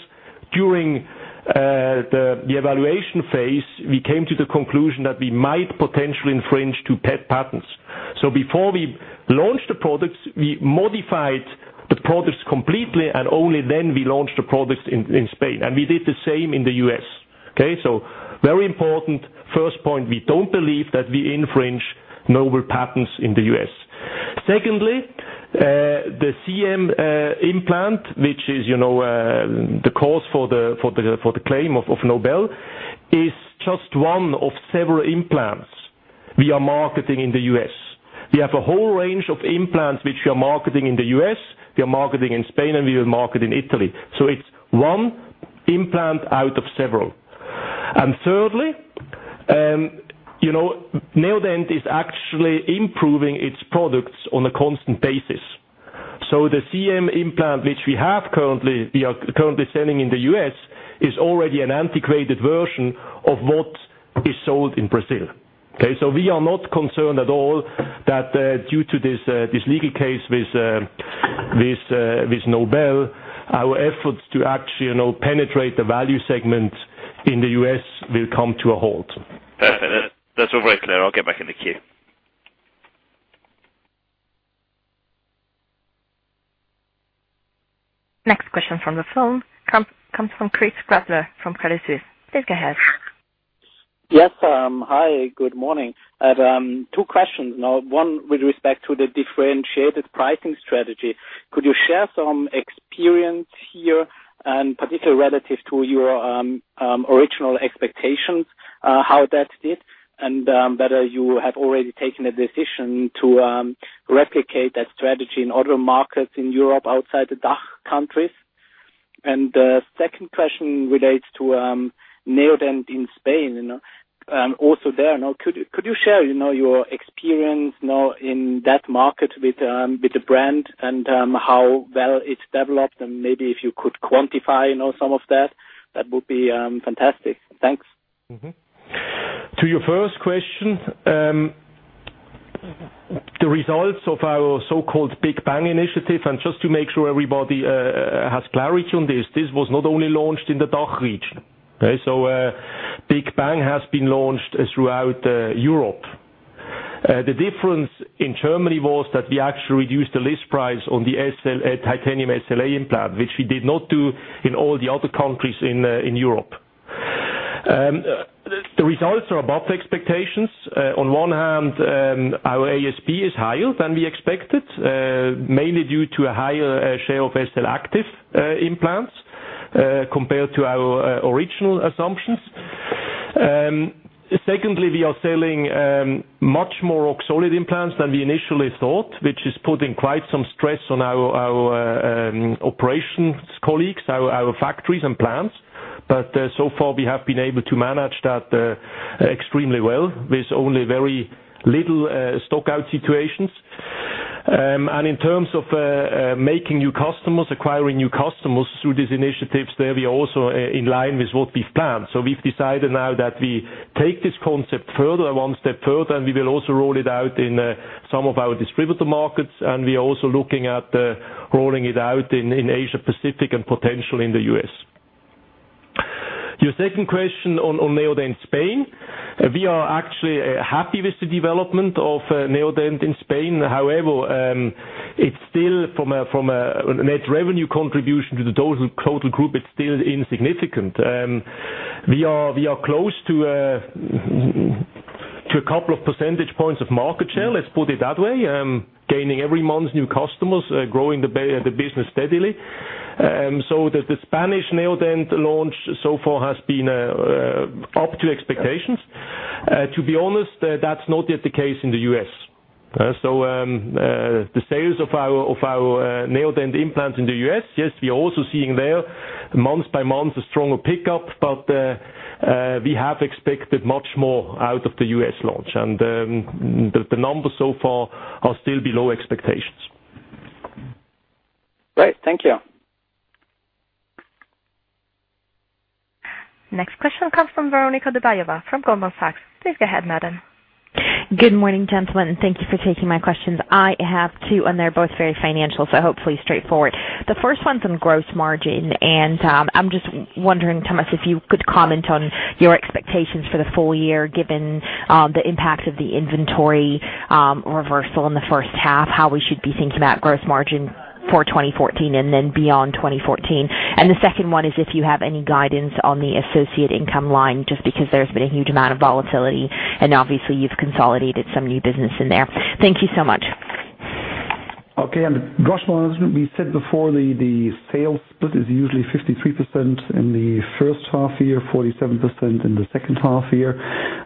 Speaker 1: during the evaluation phase, we came to the conclusion that we might potentially infringe two patents. Before we launched the products, we modified the products completely, and only then we launched the products in Spain. We did the same in the U.S. Okay? Very important first point, we don't believe that we infringe Nobel patents in the U.S. Secondly, the CM implant, which is the cause for the claim of Nobel, is just one of several implants we are marketing in the U.S. We have a whole range of implants which we are marketing in the U.S., we are marketing in Spain, and we will market in Italy. It's one implant out of several. Thirdly, Neodent is actually improving its products on a constant basis. The CM implant, which we are currently selling in the U.S., is already an antiquated version of what is sold in Brazil. Okay? We are not concerned at all that due to this legal case with Nobel, our efforts to actually penetrate the value segment in the U.S. will come to a halt.
Speaker 7: Perfect. That's all very clear. I'll get back in the queue.
Speaker 6: Next question from the phone comes from Chris Gradler from Credit Suisse. Please go ahead.
Speaker 8: Yes. Hi, good morning. I have two questions now. One with respect to the differentiated pricing strategy. Could you share some experience here, particularly relative to your original expectations, how that did, and whether you have already taken a decision to replicate that strategy in other markets in Europe outside the DACH countries? The second question relates to Neodent in Spain. Also there now, could you share your experience now in that market with the brand and how well it's developed? And maybe if you could quantify some of that would be fantastic. Thanks.
Speaker 1: To your first question, the results of our so-called Big Bang initiative. Just to make sure everybody has clarity on this was not only launched in the DACH region. Okay? Big Bang has been launched throughout Europe. The difference in Germany was that we actually reduced the list price on the titanium SLA implant, which we did not do in all the other countries in Europe. The results are above the expectations. On one hand, our ASP is higher than we expected, mainly due to a higher share of SLActive implants compared to our original assumptions. Secondly, we are selling much more Roxolid implants than we initially thought, which is putting quite some stress on our operations colleagues, our factories, and plants. So far, we have been able to manage that extremely well with only very little stock-out situations. In terms of making new customers, acquiring new customers through these initiatives there, we are also in line with what we've planned. We've decided now that we take this concept further, one step further, and we will also roll it out in some of our distributor markets, and we are also looking at rolling it out in Asia Pacific and potentially in the U.S. Your second question on Neodent Spain, we are actually happy with the development of Neodent in Spain. However, it's still from a net revenue contribution to the total group, it's still insignificant. We are close to a couple of percentage points of market share, let's put it that way, gaining every month new customers, growing the business steadily. The Spanish Neodent launch so far has been up to expectations. To be honest, that's not yet the case in the U.S. The sales of our Neodent implants in the U.S., yes, we are also seeing there month by month a stronger pickup, but we have expected much more out of the U.S. launch. The numbers so far are still below expectations.
Speaker 8: Great. Thank you.
Speaker 6: Next question comes from Veronika Dubajova, from Goldman Sachs. Please go ahead, madam.
Speaker 9: Good morning, gentlemen. Thank you for taking my questions. I have two. They're both very financial, so hopefully straightforward. The first one's on gross margin. I'm just wondering, Thomas, if you could comment on your expectations for the full year, given the impact of the inventory reversal in the first half, how we should be thinking about gross margin for 2014 and then beyond 2014? The second one is if you have any guidance on the associate income line, just because there's been a huge amount of volatility and obviously you've consolidated some new business in there. Thank you so much.
Speaker 2: Okay. On gross margin, we said before the sales split is usually 53% in the first half year, 47% in the second half year.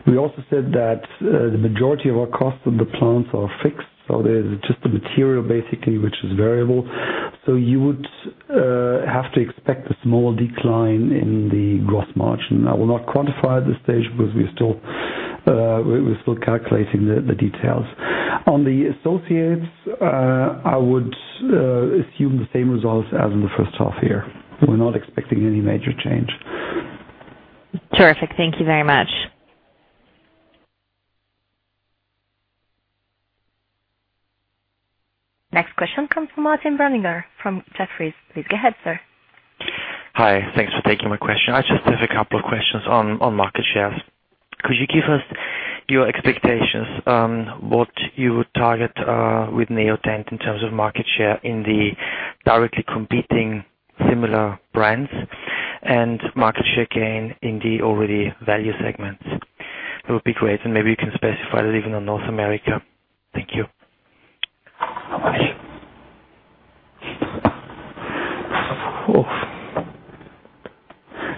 Speaker 2: We also said that the majority of our costs in the plants are fixed. There's just the material basically, which is variable. You would have to expect a small decline in the gross margin. I will not quantify at this stage because we're still calculating the details. On the associates, I would assume the same results as in the first half year. We're not expecting any major change.
Speaker 9: Terrific. Thank you very much.
Speaker 6: Next question comes from Martin Brunninger from Jefferies. Please go ahead, sir.
Speaker 10: Hi. Thanks for taking my question. I just have a couple of questions on market share. Could you give us your expectations on what you would target with Neodent in terms of market share in the directly competing similar brands, and market share gain in the already value segments? That would be great. Maybe you can specify that even on North America. Thank you.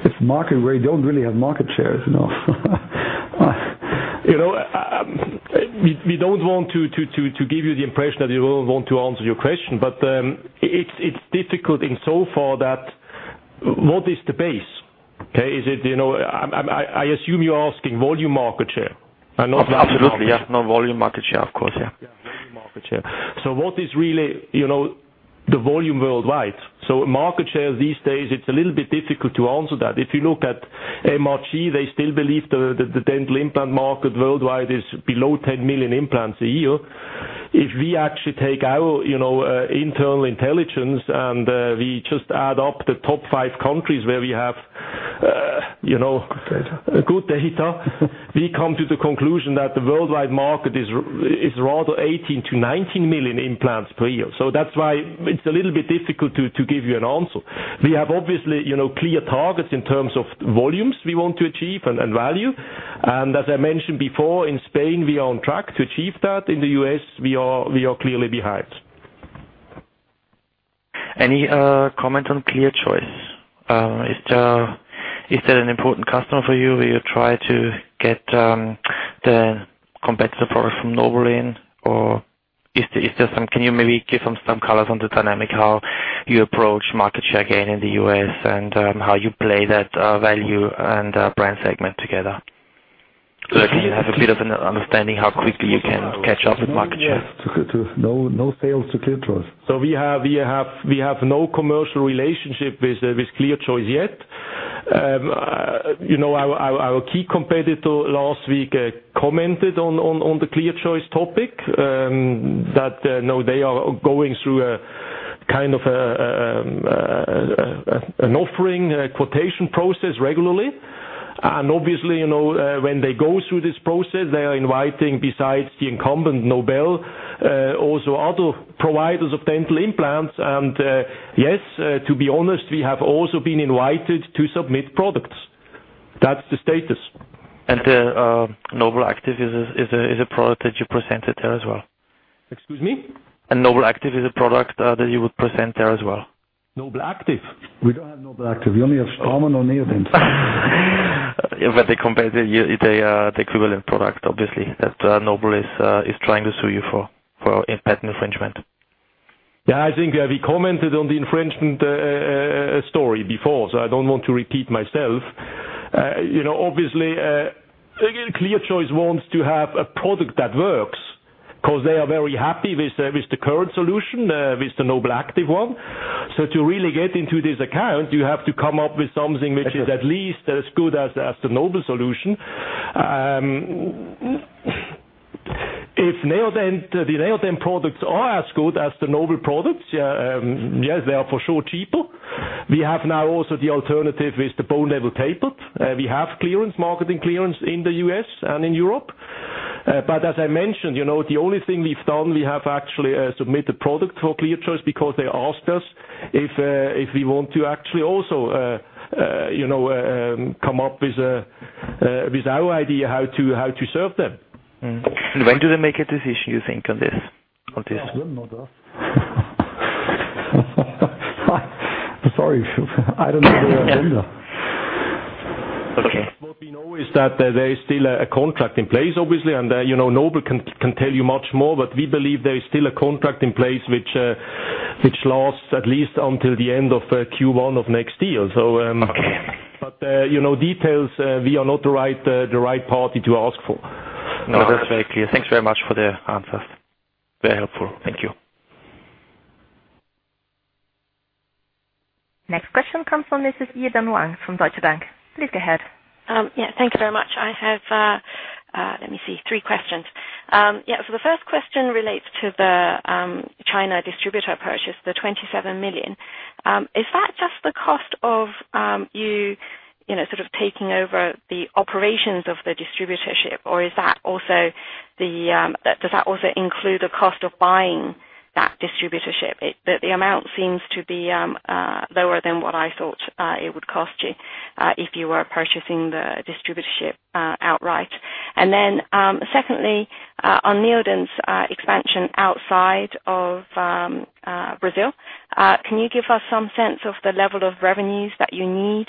Speaker 2: It's a market where you don't really have market shares.
Speaker 1: We don't want to give you the impression that we don't want to answer your question, but it's difficult insofar that what is the base? Okay. I assume you're asking volume market share, not-
Speaker 10: Absolutely, yeah. No, volume market share, of course, yeah.
Speaker 1: Volume market share. What is really the volume worldwide? Market share these days, it's a little bit difficult to answer that. If you look at MRG, they still believe the dental implant market worldwide is below 10 million implants a year. If we actually take our internal intelligence, and we just add up the top five countries where we have-
Speaker 2: Good data
Speaker 1: good data, we come to the conclusion that the worldwide market is rather 18 to 19 million implants per year. That's why it's a little bit difficult to give you an answer. We have obviously clear targets in terms of volumes we want to achieve and value, and as I mentioned before, in Spain, we are on track to achieve that. In the U.S., we are clearly behind.
Speaker 10: Any comment on ClearChoice? Is that an important customer for you, where you try to get the competitor product from Nobel in? Or can you maybe give some colors on the dynamic, how you approach market share gain in the U.S. and how you play that value and brand segment together? That we can have a bit of an understanding how quickly you can catch up with market share.
Speaker 2: No sales to ClearChoice.
Speaker 1: We have no commercial relationship with ClearChoice yet. Our key competitor last week commented on the ClearChoice topic, that they are going through a kind of an offering quotation process regularly. Obviously, when they go through this process, they are inviting besides the incumbent, Nobel, also other providers of dental implants. Yes, to be honest, we have also been invited to submit products. That's the status.
Speaker 10: NobelActive is a product that you presented there as well?
Speaker 1: Excuse me?
Speaker 10: Nobel Active is a product that you would present there as well?
Speaker 1: Nobel Active?
Speaker 2: We don't have Nobel Active. We only have Straumann or Neodent.
Speaker 10: They compared the equivalent product, obviously, that Nobel is trying to sue you for patent infringement.
Speaker 1: Yeah, I think I commented on the infringement story before, so I don't want to repeat myself. Obviously, ClearChoice wants to have a product that works because they are very happy with the current solution, with the NobelActive one. To really get into this account, you have to come up with something which is at least as good as the Nobel solution. If the Neodent products are as good as the Nobel products, yes, they are for sure cheaper. We have now also the alternative with the Bone Level Tapered. We have clearance, marketing clearance in the U.S. and in Europe. As I mentioned, the only thing we've done, we have actually submitted product for ClearChoice because they asked us if we want to actually also come up with our idea how to serve them.
Speaker 10: When do they make a decision, you think, on this?
Speaker 1: I don't know that. Sorry. I don't know the answer either.
Speaker 10: Okay.
Speaker 1: What we know is that there is still a contract in place, obviously, and Nobel can tell you much more, but we believe there is still a contract in place which lasts at least until the end of Q1 of next year.
Speaker 10: Okay.
Speaker 1: Details, we are not the right party to ask for.
Speaker 10: No, that's very clear. Thanks very much for the answers. Very helpful. Thank you.
Speaker 6: Next question comes from Mrs. Yidan Wang from Deutsche Bank. Please go ahead.
Speaker 11: Yeah. Thank you very much. I have, let me see, three questions. The first question relates to the China distributor purchase, the 27 million. Is that just the cost of you sort of taking over the operations of the distributorship, or does that also include the cost of buying that distributorship? The amount seems to be lower than what I thought it would cost you if you were purchasing the distributorship outright. Secondly, on Neodent's expansion outside of Brazil, can you give us some sense of the level of revenues that you need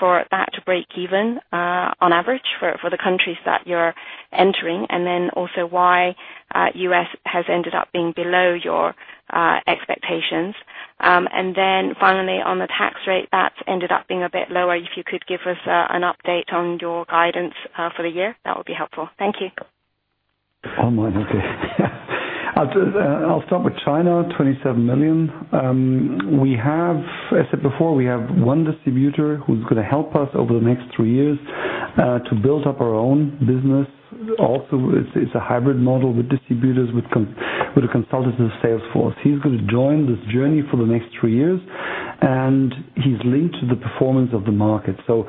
Speaker 11: for that to break even on average for the countries that you're entering? Also why U.S. has ended up being below your expectations. Finally on the tax rate, that's ended up being a bit lower. If you could give us an update on your guidance for the year, that would be helpful. Thank you.
Speaker 1: All mine. Okay. I'll start with China, 27 million. As I said before, we have one distributor who's going to help us over the next three years to build up our own business. It's also a hybrid model with distributors, with a consultative sales force. He's going to join this journey for the next three years, and he's linked to the performance of the market. The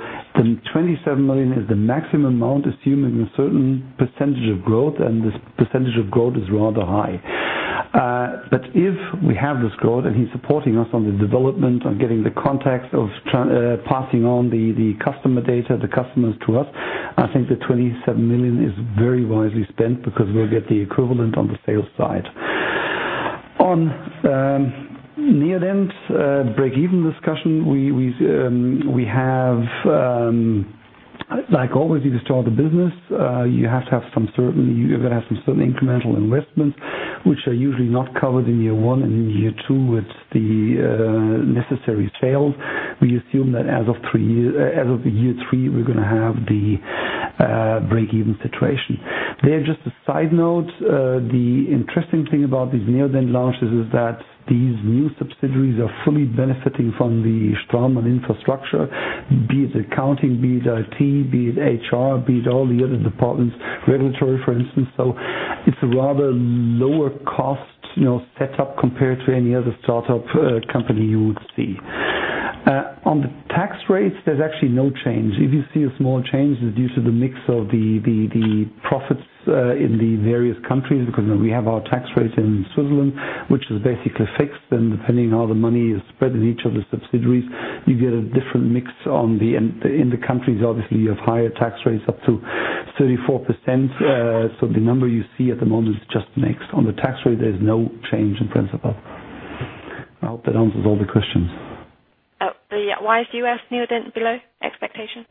Speaker 1: 27 million is the maximum amount, assuming a certain % of growth, and this % of growth is rather high. If we have this growth and he's supporting us on the development, on getting the contacts of passing on the customer data, the customers to us, I think the 27 million is very wisely spent because we'll get the equivalent on the sales side. On Neodent break-even discussion, we have like always, you start a business, you're going to have some certain incremental investments which are usually not covered in year one and in year two with the necessary sales. We assume that as of year three, we're going to have the break-even situation. There, just a side note, the interesting thing about these Neodent launches is that these new subsidiaries are fully benefiting from the Straumann infrastructure, be it accounting, be it IT, be it HR, be it all the other departments, regulatory, for instance. It's a rather lower cost setup compared to any other startup company you would see. On the tax rates, there's actually no change. If you see a small change, it's due to the mix of the profits in the various countries because we have our tax rates in Switzerland, which is basically fixed, and depending how the money is spread in each of the subsidiaries, you get a different mix in the countries. Obviously, you have higher tax rates, up to 34%. The number you see at the moment is just mixed. On the tax rate, there's no change in principle. I hope that answers all the questions.
Speaker 11: Yeah. Why is the U.S. Neodent below expectations?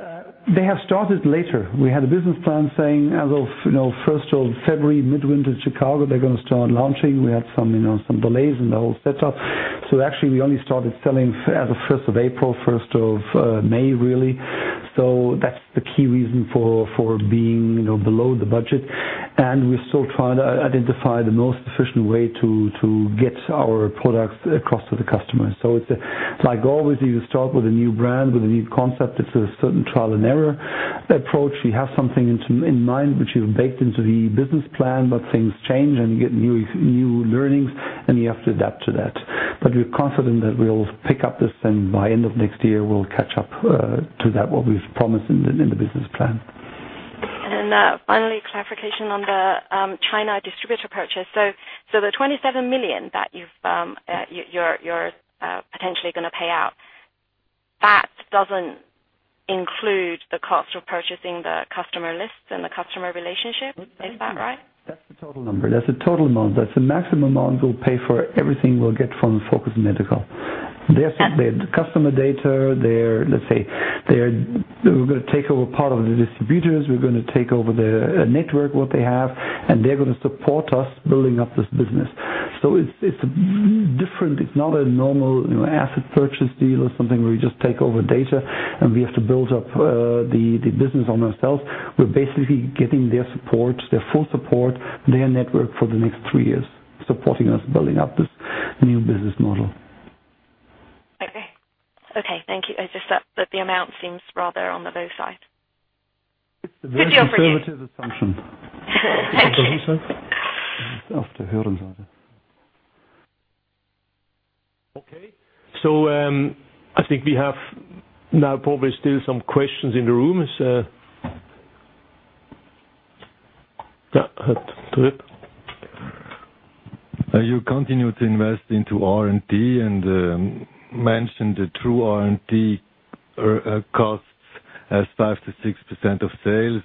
Speaker 1: They have started later. We had a business plan saying as of 1st of February, Midwinter Chicago, they're going to start launching. We had some delays in the whole setup. Actually, we only started selling as of 1st of April, 1st of May, really. That's the key reason for being below the budget. We're still trying to identify the most efficient way to get our products across to the customer. It's like always, you start with a new brand, with a new concept. It's a certain trial and error approach. You have something in mind which you've baked into the business plan, but things change and you get new learnings and you have to adapt to that. We're confident that we'll pick up this and by end of next year, we'll catch up to that what we've promised in the business plan.
Speaker 11: Finally, clarification on the China distributor purchase. The 27 million that you're potentially going to pay out, that doesn't include the cost of purchasing the customer lists and the customer relationship. Is that right?
Speaker 1: That's the total number. That's the total amount. That's the maximum amount we'll pay for everything we'll get from Focus Medical. The customer data, let's say we're going to take over part of the distributors, we're going to take over their network, what they have, and they're going to support us building up this business. It's different. It's not a normal asset purchase deal or something where we just take over data and we have to build up the business ourselves. We're basically getting their support, their full support, their network for the next three years, supporting us building up this new business model.
Speaker 11: Okay. Thank you. It's just that the amount seems rather on the low side.
Speaker 1: It's a very conservative assumption.
Speaker 11: Thank you.
Speaker 1: Okay. I think we have now probably still some questions in the room. Yeah, go ahead.
Speaker 4: You continue to invest into R&D and mentioned the true R&D costs as 5%-6% of sales.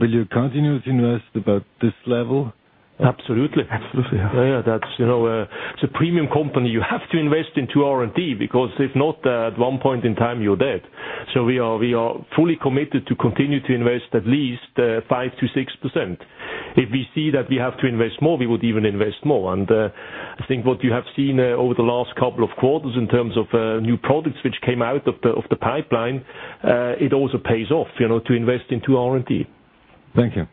Speaker 4: Will you continue to invest about this level?
Speaker 1: Absolutely.
Speaker 2: Absolutely.
Speaker 1: Yeah. It's a premium company. You have to invest into R&D because if not, at one point in time you're dead. We are fully committed to continue to invest at least 5%-6%. If we see that we have to invest more, we would even invest more. I think what you have seen over the last couple of quarters in terms of new products which came out of the pipeline, it also pays off to invest into R&D.
Speaker 4: Thank you.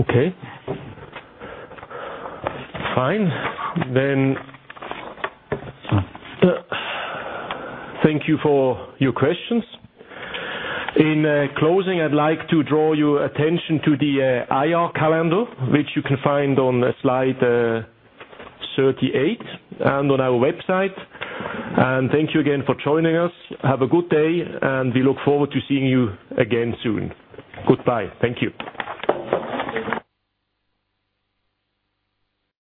Speaker 1: Okay. Fine. Thank you for your questions. In closing, I'd like to draw your attention to the IR calendar, which you can find on slide 38 and on our website. Thank you again for joining us. Have a good day, and we look forward to seeing you again soon. Goodbye. Thank you.